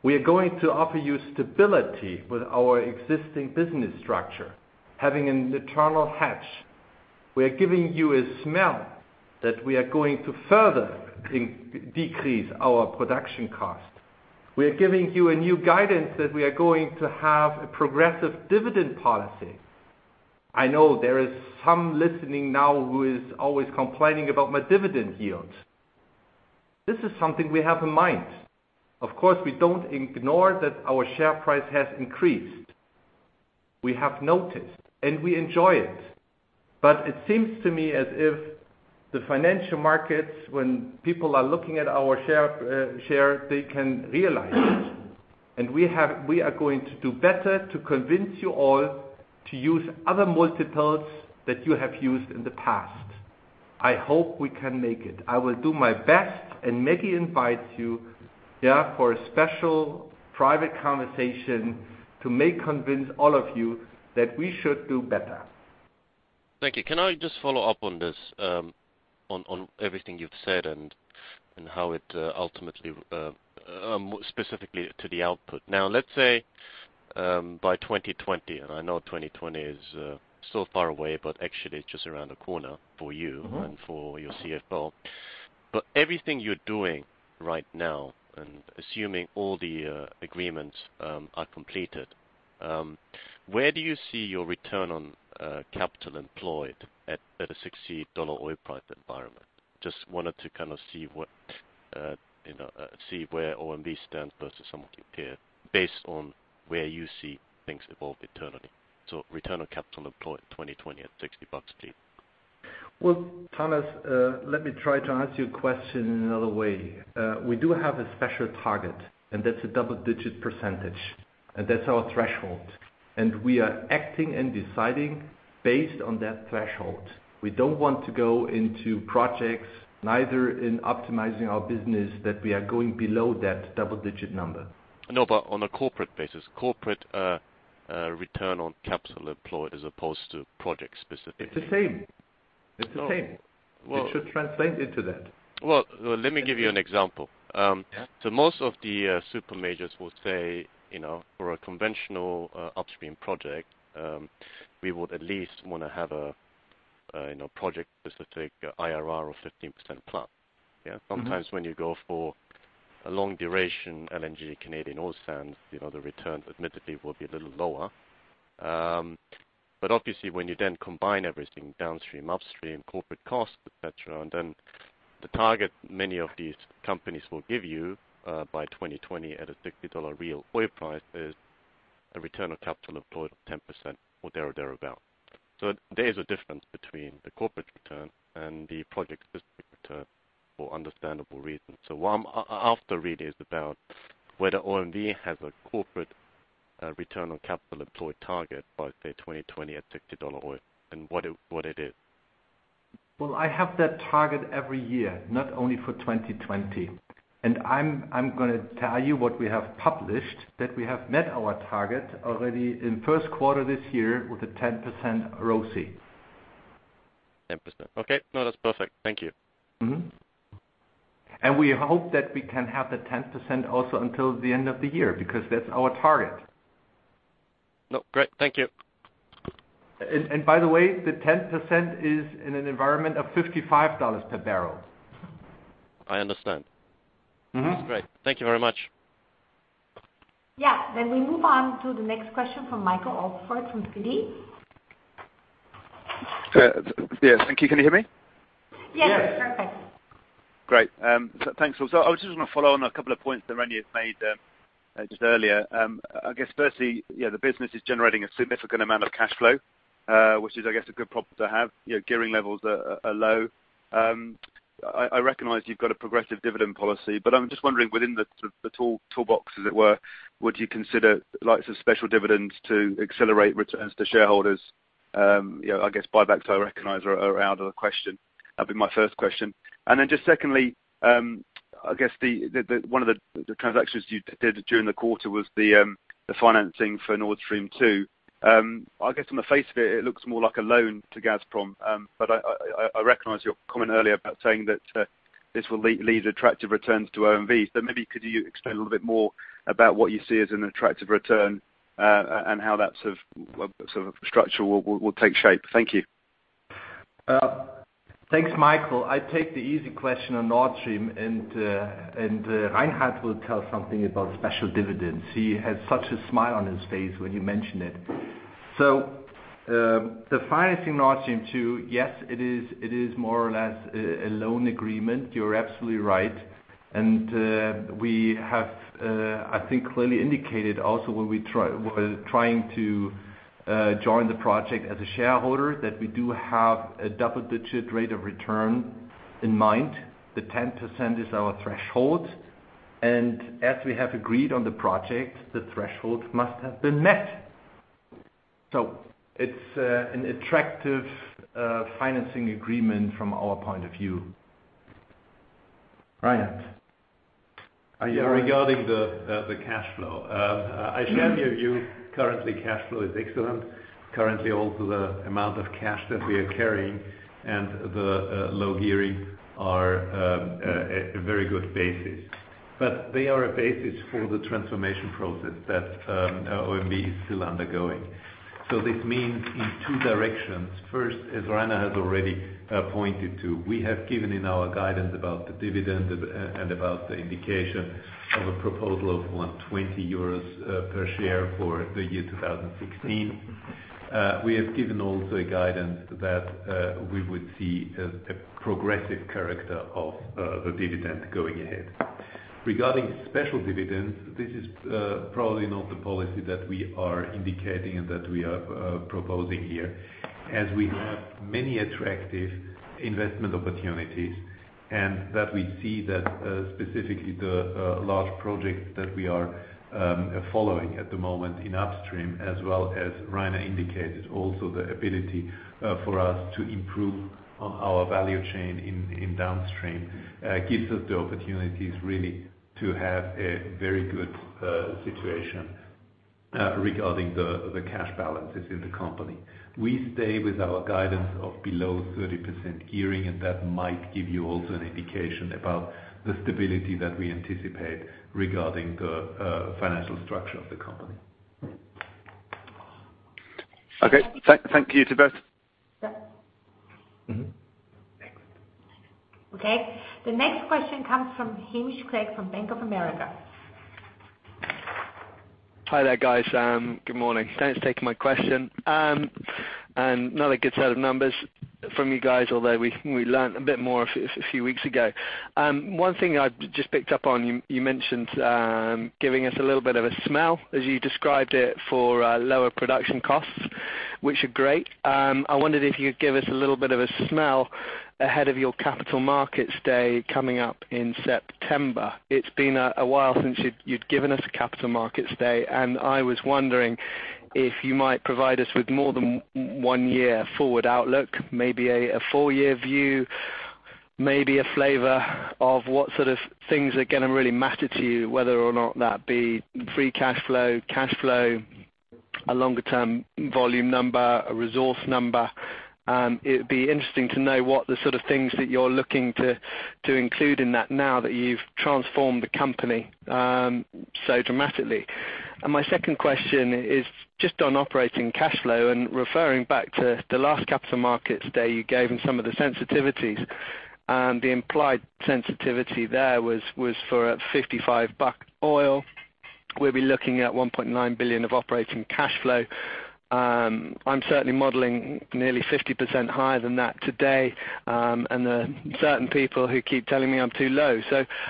We are going to offer you stability with our existing business structure, having a neutral hedge. We are giving you a smell that we are going to further decrease our production cost. We are giving you a new guidance that we are going to have a progressive dividend policy. I know there is some listening now who is always complaining about my dividend yield. This is something we have in mind. Of course, we don't ignore that our share price has increased. We have noticed, and we enjoy it. It seems to me as if the financial markets, when people are looking at our share, they can realize it. We are going to do better to convince you all to use other multiples that you have used in the past. I hope we can make it. I will do my best, and maybe invite you there for a special private conversation to may convince all of you that we should do better. Thank you. Can I just follow up on this, on everything you've said and how it ultimately, specifically to the output. Now, let's say by 2020, and I know 2020 is still far away, but actually it's just around the corner for you. and for your CFO. Everything you're doing right now, and assuming all the agreements are completed, where do you see your return on capital employed at a $60 oil price environment? Just wanted to kind of see where OMV stands versus some of your peers based on where you see things evolve eternally. Return on capital employed 2020 at $60 a barrel. Well, Thomas, let me try to answer your question in another way. We do have a special target, that's a double-digit percentage. That's our threshold. We are acting and deciding based on that threshold. We don't want to go into projects, neither in optimizing our business, that we are going below that double-digit number. No, on a corporate basis, corporate return on capital employed as opposed to project specifically. It's the same. Well- It should translate into that. Well, let me give you an example. Yeah. Most of the super majors will say, for a conventional upstream project, we would at least want to have a project-specific IRR of 15% plus. Sometimes when you go for a long duration, LNG Canadian oil sands, the returns admittedly will be a little lower. Obviously when you then combine everything downstream, upstream, corporate costs, et cetera, and then the target many of these companies will give you by 2020 at a $60 real oil price is a return on capital employed of 10% or thereabout. There is a difference between the corporate return and the project-specific return for understandable reasons. What I'm after really is about whether OMV has a corporate return on capital employed target by, say, 2020 at $60 oil and what it is. Well, I have that target every year, not only for 2020. I'm going to tell you what we have published, that we have met our target already in first quarter this year with a 10% ROCE. 10%. Okay. That's perfect. Thank you. We hope that we can have the 10% also until the end of the year, because that's our target. Great. Thank you. By the way, the 10% is in an environment of $55 per barrel. I understand. That's great. Thank you very much. Yeah. We move on to the next question from Michael Alsford from Citi. Yeah. Thank you. Can you hear me? Yeah. Perfect. Yeah. Great. Thanks. I just want to follow on a couple of points that Rainer made just earlier. I guess firstly, the business is generating a significant amount of cash flow, which is, I guess, a good problem to have. Gearing levels are low. I recognize you've got a progressive dividend policy, but I'm just wondering within the toolbox, as it were, would you consider the likes of special dividends to accelerate returns to shareholders? I guess buybacks I recognize are out of the question. That'd be my first question. Just secondly, I guess one of the transactions you did during the quarter was the financing for Nord Stream 2. I guess on the face of it looks more like a loan to Gazprom, but I recognize your comment earlier about saying that this will lead attractive returns to OMV. Maybe could you explain a little bit more about what you see as an attractive return, and how that sort of structure will take shape? Thank you. Thanks, Michael. I take the easy question on Nord Stream 2, and Reinhard will tell something about special dividends. He had such a smile on his face when you mentioned it. The financing Nord Stream 2, yes, it is more or less a loan agreement. You are absolutely right. We have, I think, clearly indicated also when trying to join the project as a shareholder, that we do have a double-digit rate of return in mind. The 10% is our threshold. As we have agreed on the project, the threshold must have been met. It is an attractive financing agreement from our point of view. Reinhard. Regarding the cash flow. I share the view. Currently, cash flow is excellent. Currently, also the amount of cash that we are carrying and the low gearing are a very good basis. They are a basis for the transformation process that OMV is still undergoing. This means in two directions. First, as Rainer has already pointed to, we have given in our guidance about the dividend and about the indication of a proposal of 1.20 euros per share for the year 2016. We have given also a guidance that we would see a progressive character of the dividend going ahead. Regarding special dividends, this is probably not the policy that we are indicating and that we are proposing here, as we have many attractive investment opportunities, and that we see that specifically the large projects that we are following at the moment in upstream, as well as Rainer indicated, also the ability for us to improve on our value chain in downstream, gives us the opportunities really to have a very good situation regarding the cash balances in the company. We stay with our guidance of below 30% gearing, and that might give you also an indication about the stability that we anticipate regarding the financial structure of the company. Okay. Thank you to both. Mm-hmm. Excellent. The next question comes from Hamish Clegg from Bank of America. Hi there, guys. Good morning. Thanks for taking my question. Another good set of numbers from you guys, although we learned a bit more a few weeks ago. One thing I just picked up on, you mentioned giving us a little bit of a smell, as you described it, for lower production costs, which are great. I wondered if you could give us a little bit of a smell ahead of your Capital Markets Day coming up in September. It's been a while since you'd given us a capital markets day, I was wondering if you might provide us with more than one-year forward outlook, maybe a four-year view, maybe a flavor of what sort of things are going to really matter to you, whether or not that be free cash flow, cash flow, a longer-term volume number, a resource number. It'd be interesting to know what the sort of things that you're looking to include in that now that you've transformed the company so dramatically. My second question is just on operating cash flow and referring back to the last capital markets day you gave and some of the sensitivities. The implied sensitivity there was for a $55 oil. We'll be looking at $1.9 billion of operating cash flow. I'm certainly modeling nearly 50% higher than that today, there are certain people who keep telling me I'm too low.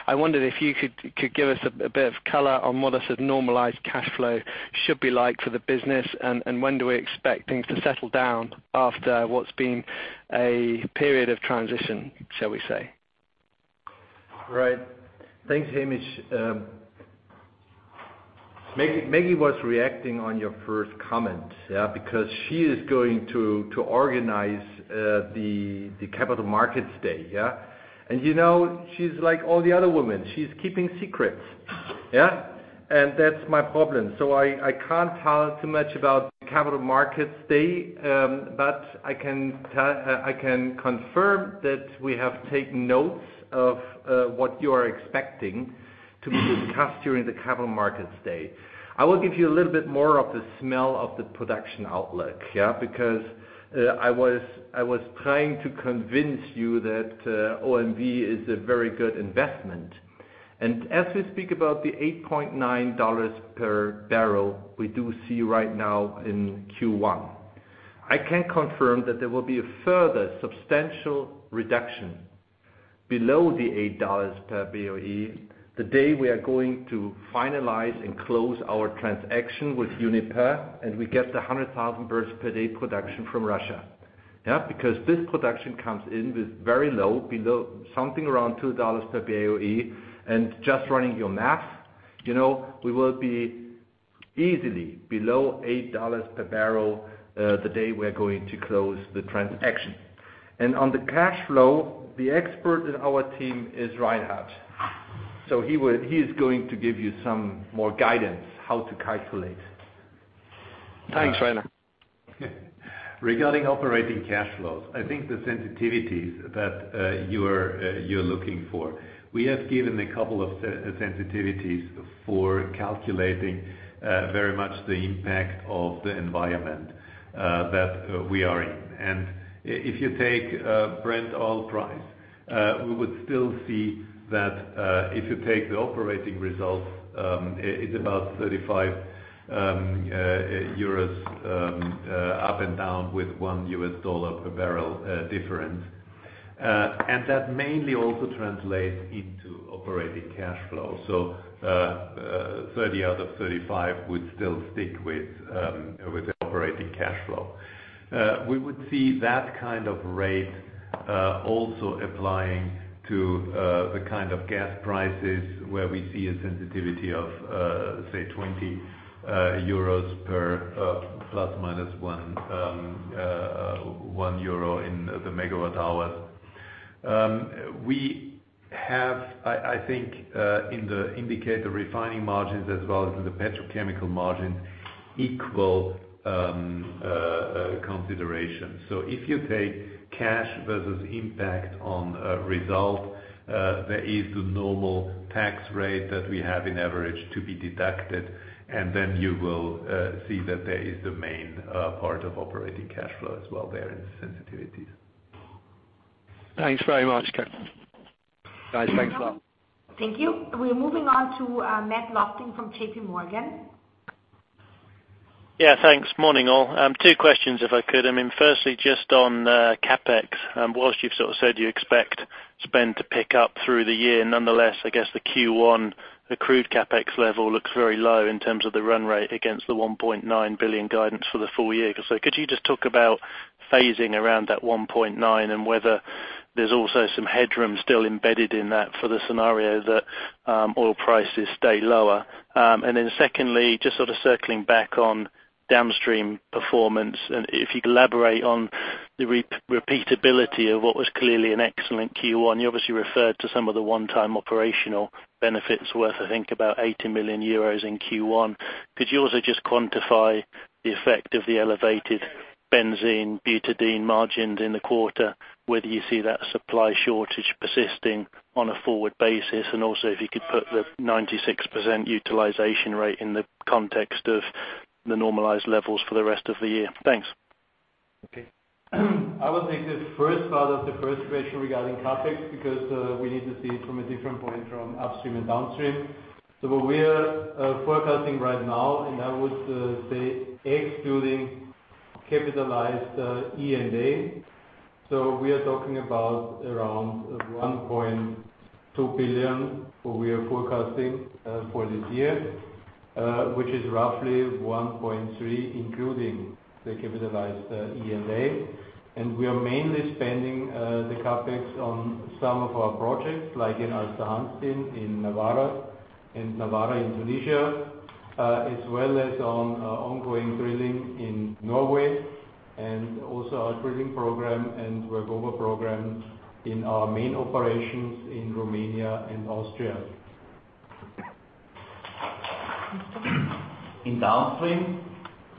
I wondered if you could give us a bit of color on what a sort of normalized cash flow should be like for the business, when do we expect things to settle down after what's been a period of transition, shall we say? Right. Thanks, Hamish. Maggie was reacting on your first comment, yeah? She is going to organize the capital markets day, yeah? She's like all the other women. She's keeping secrets. Yeah? That's my problem. I can't tell too much about the capital markets day, but I can confirm that we have taken notes of what you are expecting to be discussed during the capital markets day. I will give you a little bit more of the smell of the production outlook, yeah? I was trying to convince you that OMV is a very good investment. As we speak about the EUR 8.90 per barrel we do see right now in Q1. I can confirm that there will be a further substantial reduction below the EUR 8 per BOE the day we are going to finalize and close our transaction with Uniper, and we get the 100,000 barrels per day production from Russia. Yeah? This production comes in with very low, below something around EUR 2 per BOE, and just running your maths, we will be easily below EUR 8 per barrel the day we are going to close the transaction. On the cash flow, the expert in our team is Reinhard. He is going to give you some more guidance how to calculate. Thanks, Reinhard. Regarding operating cash flows, I think the sensitivities that you're looking for, we have given a couple of sensitivities for calculating very much the impact of the environment that we are in. If you take Brent oil price We would still see that if you take the operating results, it's about EUR 35 up and down with $1 per barrel difference. That mainly also translates into operating cash flow. 30 out of 35 would still stick with operating cash flow. We would see that kind of rate also applying to the kind of gas prices where we see a sensitivity of, say, 20 euros plus or minus 1 euro in the megawatt hour. We have, I think, in the indicator refining margins as well as in the petrochemical margins, equal consideration. If you take cash versus impact on result, there is the normal tax rate that we have on average to be deducted, then you will see that there is the main part of operating cash flow as well there in sensitivities. Thanks very much. Guys, thanks a lot. Thank you. We're moving on to Matthew Lofting from J.P. Morgan. Thanks. Morning, all. Two questions if I could. Firstly, just on CapEx, whilst you've sort of said you expect spend to pick up through the year, nonetheless, I guess the Q1 accrued CapEx level looks very low in terms of the run rate against the 1.9 billion guidance for the full year. Could you just talk about phasing around that 1.9 and whether there's also some headroom still embedded in that for the scenario that oil prices stay lower? Secondly, just sort of circling back on downstream performance, and if you could elaborate on the repeatability of what was clearly an excellent Q1. You obviously referred to some of the one-time operational benefits worth, I think, about 80 million euros in Q1. Could you also just quantify the effect of the elevated benzene, butadiene margins in the quarter, whether you see that supply shortage persisting on a forward basis, and also if you could put the 96% utilization rate in the context of the normalized levels for the rest of the year? Thanks. I will take the first part of the first question regarding CapEx, because we need to see it from a different point from upstream and downstream. What we are forecasting right now, and I would say excluding capitalized E&A. We are talking about around 1.2 billion, what we are forecasting for this year, which is roughly 1.3, including the capitalized E&A. We are mainly spending the CapEx on some of our projects, like in Aasta Hansteen, in Nawara, in Tunisia, as well as on ongoing drilling in Norway, and also our drilling program and work over program in our main operations in Romania and Austria. In downstream,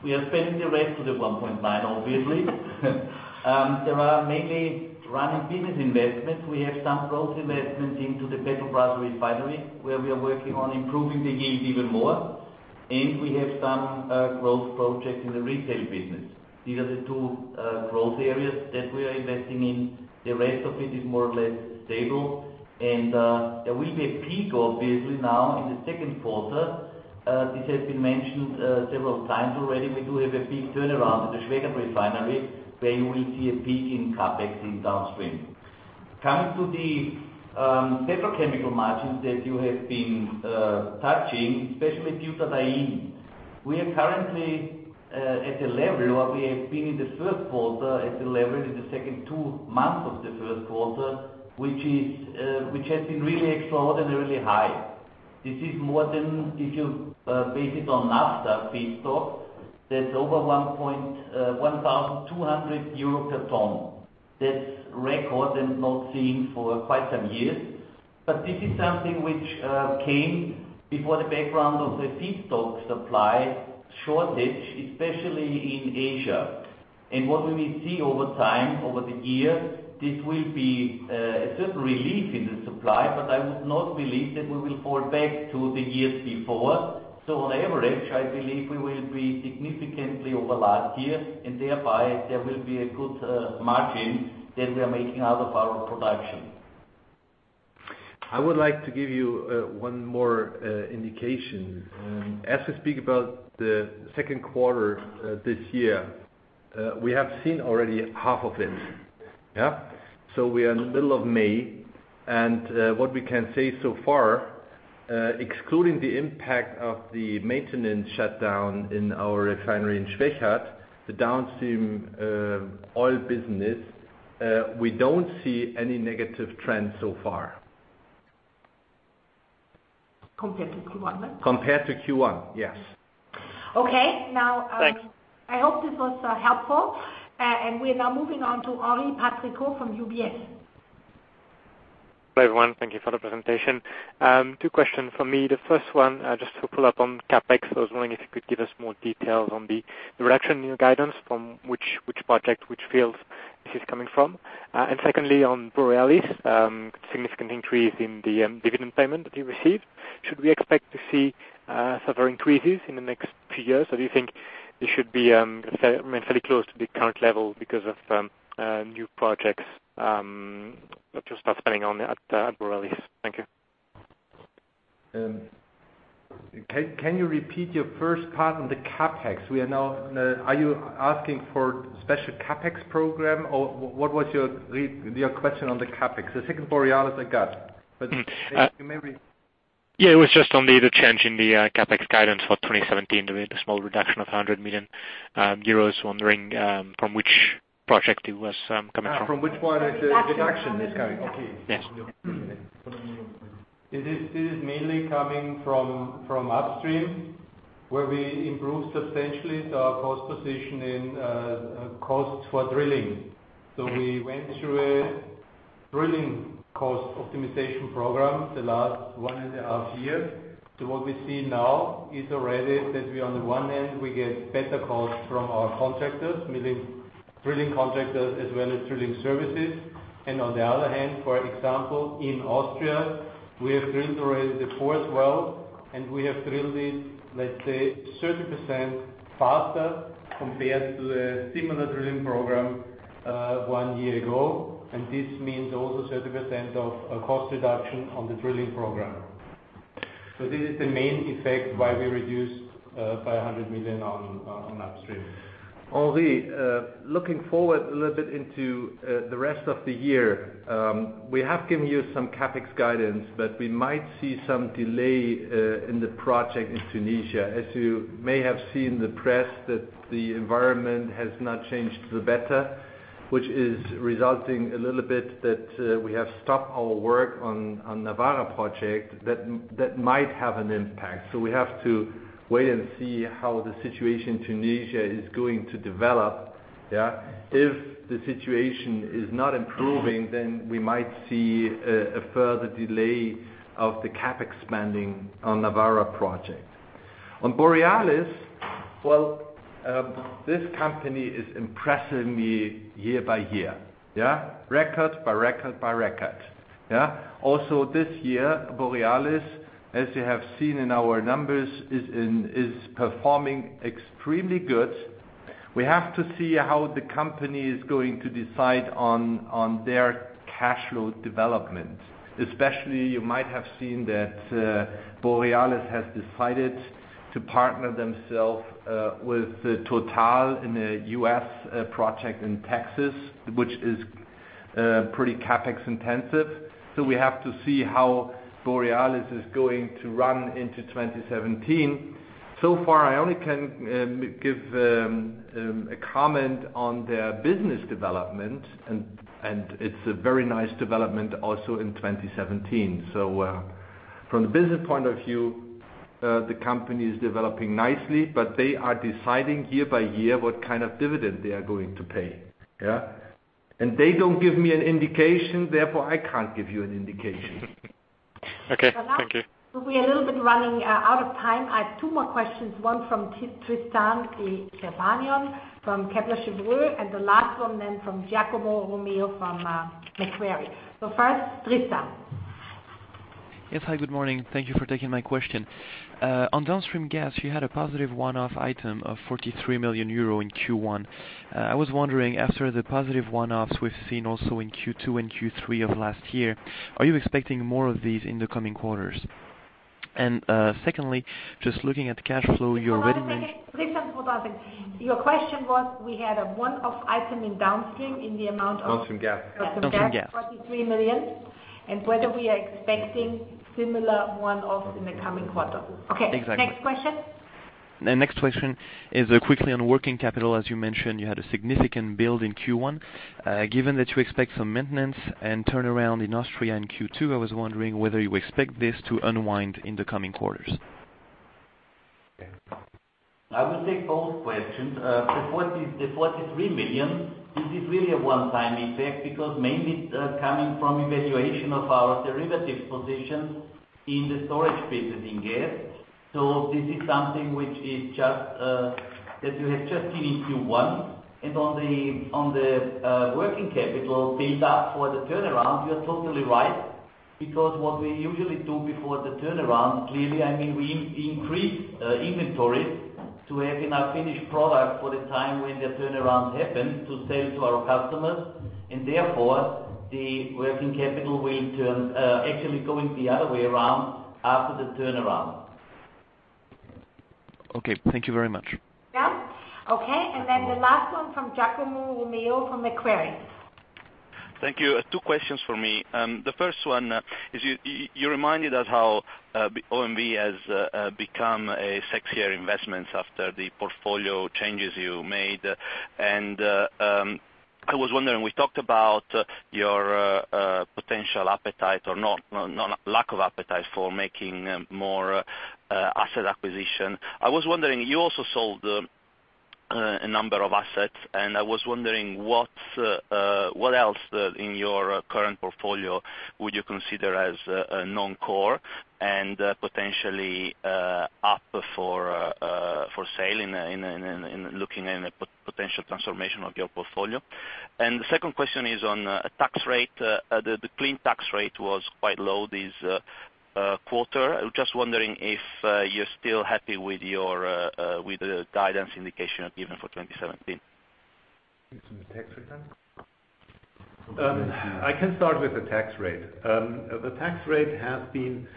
we are spending the rest of the 1.9, obviously. There are mainly running business investments. We have some growth investments into the Petrobrazi refinery, where we are working on improving the yield even more. We have some growth projects in the retail business. These are the two growth areas that we are investing in. The rest of it is more or less stable. There will be a peak, obviously, now in the second quarter. This has been mentioned several times already. We do have a big turnaround at the Schwechat Refinery, where you will see a peak in CapEx in downstream. Coming to the petchem margins that you have been touching, especially butadiene. We are currently at a level where we have been in the first quarter, at a level in the second two months of the first quarter, which has been really extraordinarily high. This is more than, if you base it on naphtha feedstock, that's over 1,200 euro per ton. That's a record and not seen for quite some years. This is something which came before the background of a feedstock supply shortage, especially in Asia. What we will see over time, over the year, this will be a certain relief in the supply, but I would not believe that we will fall back to the years before. On average, I believe we will be significantly over last year, and thereby there will be a good margin that we are making out of our production. I would like to give you one more indication. As we speak about the second quarter this year, we have seen already half of it. We are in the middle of May, and what we can say so far, excluding the impact of the maintenance shutdown in our refinery in Schwechat, the downstream oil business, we don't see any negative trends so far. Compared to Q1, right? Compared to Q1, yes. Okay. Thanks I hope this was helpful. We are now moving on to Henri Patricot from UBS. Hello, everyone. Thank you for the presentation. Two questions from me. The first one, just to follow up on CapEx, I was wondering if you could give us more details on the reduction in your guidance, from which project, which fields this is coming from. Secondly, on Borealis, significant increase in the dividend payment that you received. Should we expect to see further increases in the next few years, or do you think it should be fairly close to the current level because of new projects that you'll start spending on at Borealis. Thank you. Can you repeat your first part on the CapEx? Are you asking for special CapEx program, or what was your question on the CapEx? The second Borealis I got. Yeah, it was just on the change in the CapEx guidance for 2017, the small reduction of 100 million euros, wondering from which project it was coming from. From which one is the reduction is coming. Okay. Yes. This is mainly coming from upstream, where we improved substantially our cost position in costs for drilling. We went through a drilling cost optimization program the last one and a half years. What we see now is already that we, on the one hand, we get better costs from our contractors, meaning drilling contractors as well as drilling services. On the other hand, for example, in Austria, we have drilled already the fourth well, and we have drilled it, let's say 30% faster compared to a similar drilling program one year ago. This means also 30% of cost reduction on the drilling program. This is the main effect why we reduced by 100 million on upstream. Henri, looking forward a little bit into the rest of the year. We have given you some CapEx guidance, but we might see some delay in the project in Tunisia. As you may have seen in the press that the environment has not changed for the better, which is resulting a little bit that we have stopped our work on Nawara project, that might have an impact. We have to wait and see how the situation in Tunisia is going to develop. Yeah. If the situation is not improving, we might see a further delay of the CapEx spending on Nawara project. On Borealis, well, this company is impressing me year by year. Yeah. Record by record. This year, Borealis, as you have seen in our numbers, is performing extremely good. We have to see how the company is going to decide on their cash flow development. Especially, you might have seen that Borealis has decided to partner themselves with Total in a U.S. project in Texas, which is pretty CapEx-intensive. We have to see how Borealis is going to run into 2017. So far, I only can give a comment on their business development, and it's a very nice development also in 2017. From the business point of view, the company is developing nicely, but they are deciding year by year what kind of dividend they are going to pay. Yeah. They don't give me an indication, therefore, I can't give you an indication. Okay. Thank you. We are a little bit running out of time. I have two more questions, one from Tristan de la Fonchais from Kepler Cheuvreux, and the last one then from Giacomo Romeo from Macquarie. First, Tristan. Yes. Hi, good morning. Thank you for taking my question. On downstream gas, you had a positive one-off item of 43 million euro in Q1. I was wondering, after the positive one-offs we've seen also in Q2 and Q3 of last year, are you expecting more of these in the coming quarters? Secondly, just looking at cash flow. One second. Tristan, hold on a second. Your question was we had a one-off item in downstream in the amount of- Downstream gas. Downstream gas, 43 million, and whether we are expecting similar one-offs in the coming quarter. Exactly. Okay. Next question. The next question is quickly on working capital. As you mentioned, you had a significant build in Q1. Given that you expect some maintenance and turnaround in Austria in Q2, I was wondering whether you expect this to unwind in the coming quarters. I will take both questions. The 43 million, this is really a one-time impact because mainly it's coming from evaluation of our derivative position in the storage business in gas. This is something which you have just seen in Q1. On the working capital build-up for the turnaround, you are totally right, because what we usually do before the turnaround, clearly, we increase inventory to have enough finished product for the time when the turnarounds happen to sell to our customers. Therefore, the working capital will turn, actually going the other way around after the turnaround. Okay. Thank you very much. Yeah. Okay. Then the last one from Giacomo Romeo from Macquarie. Thank you. Two questions from me. The first one is, you reminded us how OMV has become a sexier investment after the portfolio changes you made. I was wondering, we talked about your potential appetite or lack of appetite for making more asset acquisition. I was wondering, you also sold a number of assets, and I was wondering what else in your current portfolio would you consider as non-core and potentially up for sale in looking at a potential transformation of your portfolio? The second question is on tax rate. The clean tax rate was quite low this quarter. Just wondering if you're still happy with the guidance indication given for 2017. It's the tax return? I can start with the tax rate. The tax rate has been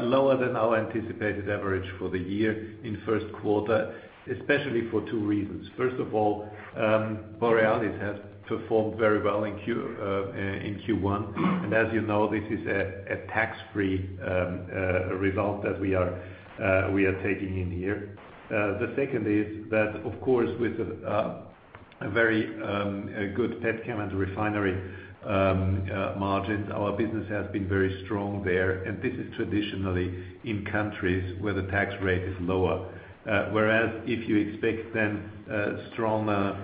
lower than our anticipated average for the year in first quarter, especially for two reasons. First of all, Borealis has performed very well in Q1, and as you know, this is a tax-free result that we are taking in here. The second is that, of course, with a very good petchem and refinery margins, our business has been very strong there. This is traditionally in countries where the tax rate is lower. Whereas if you expect then stronger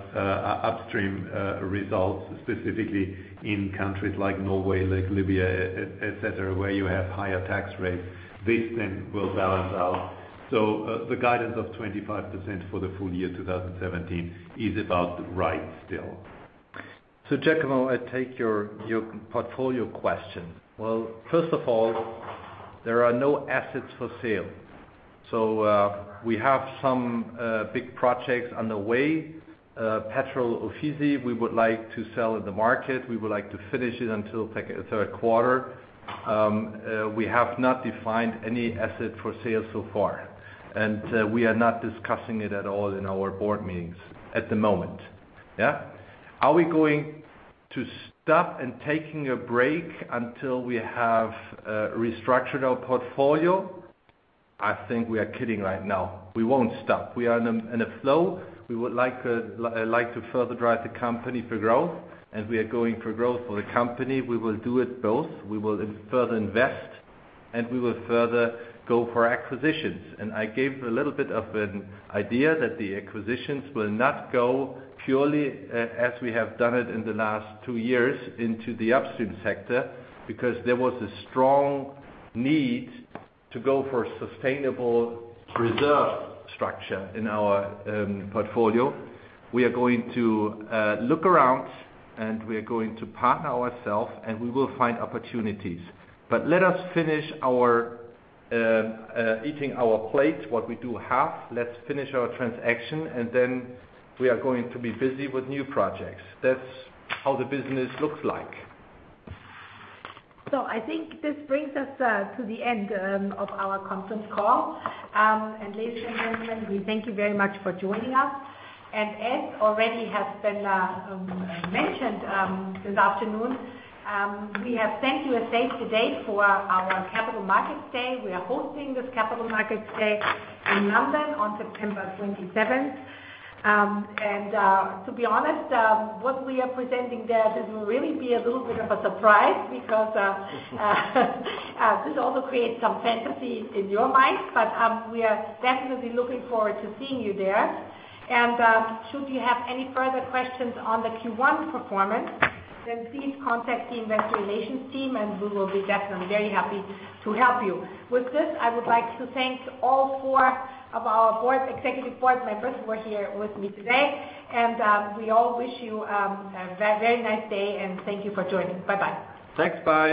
upstream results, specifically in countries like Norway, like Libya, et cetera, where you have higher tax rates, this then will balance out. The guidance of 25% for the full year 2017 is about right still. Giacomo, I take your portfolio question. Well, first of all, there are no assets for sale. We have some big projects on the way. Petrol Ofisi, we would like to sell at the market. We would like to finish it until third quarter. We have not defined any asset for sale so far. We are not discussing it at all in our board meetings at the moment. Are we going to stop and taking a break until we have restructured our portfolio? I think we are kidding right now. We won't stop. We are in a flow. We would like to further drive the company for growth, we are going for growth for the company. We will do it both. We will further invest, we will further go for acquisitions. I gave a little bit of an idea that the acquisitions will not go purely, as we have done it in the last two years, into the Upstream sector, because there was a strong need to go for sustainable reserve structure in our portfolio. We are going to look around, and we are going to partner ourself, and we will find opportunities. Let us finish eating our plate what we do have. Let's finish our transaction, we are going to be busy with new projects. That's how the business looks like. I think this brings us to the end of our conference call. Ladies and gentlemen, we thank you very much for joining us. As already has been mentioned this afternoon, we have sent you a save the date for our Capital Markets Day. We are hosting this Capital Markets Day in London on September 27th. To be honest, what we are presenting there, this will really be a little bit of a surprise because this also creates some fantasy in your minds, but we are definitely looking forward to seeing you there. Should you have any further questions on the Q1 performance, please contact the Investor Relations team, and we will be definitely very happy to help you. With this, I would like to thank all four of our Executive Board members who are here with me today. We all wish you a very nice day, and thank you for joining. Bye-bye. Thanks. Bye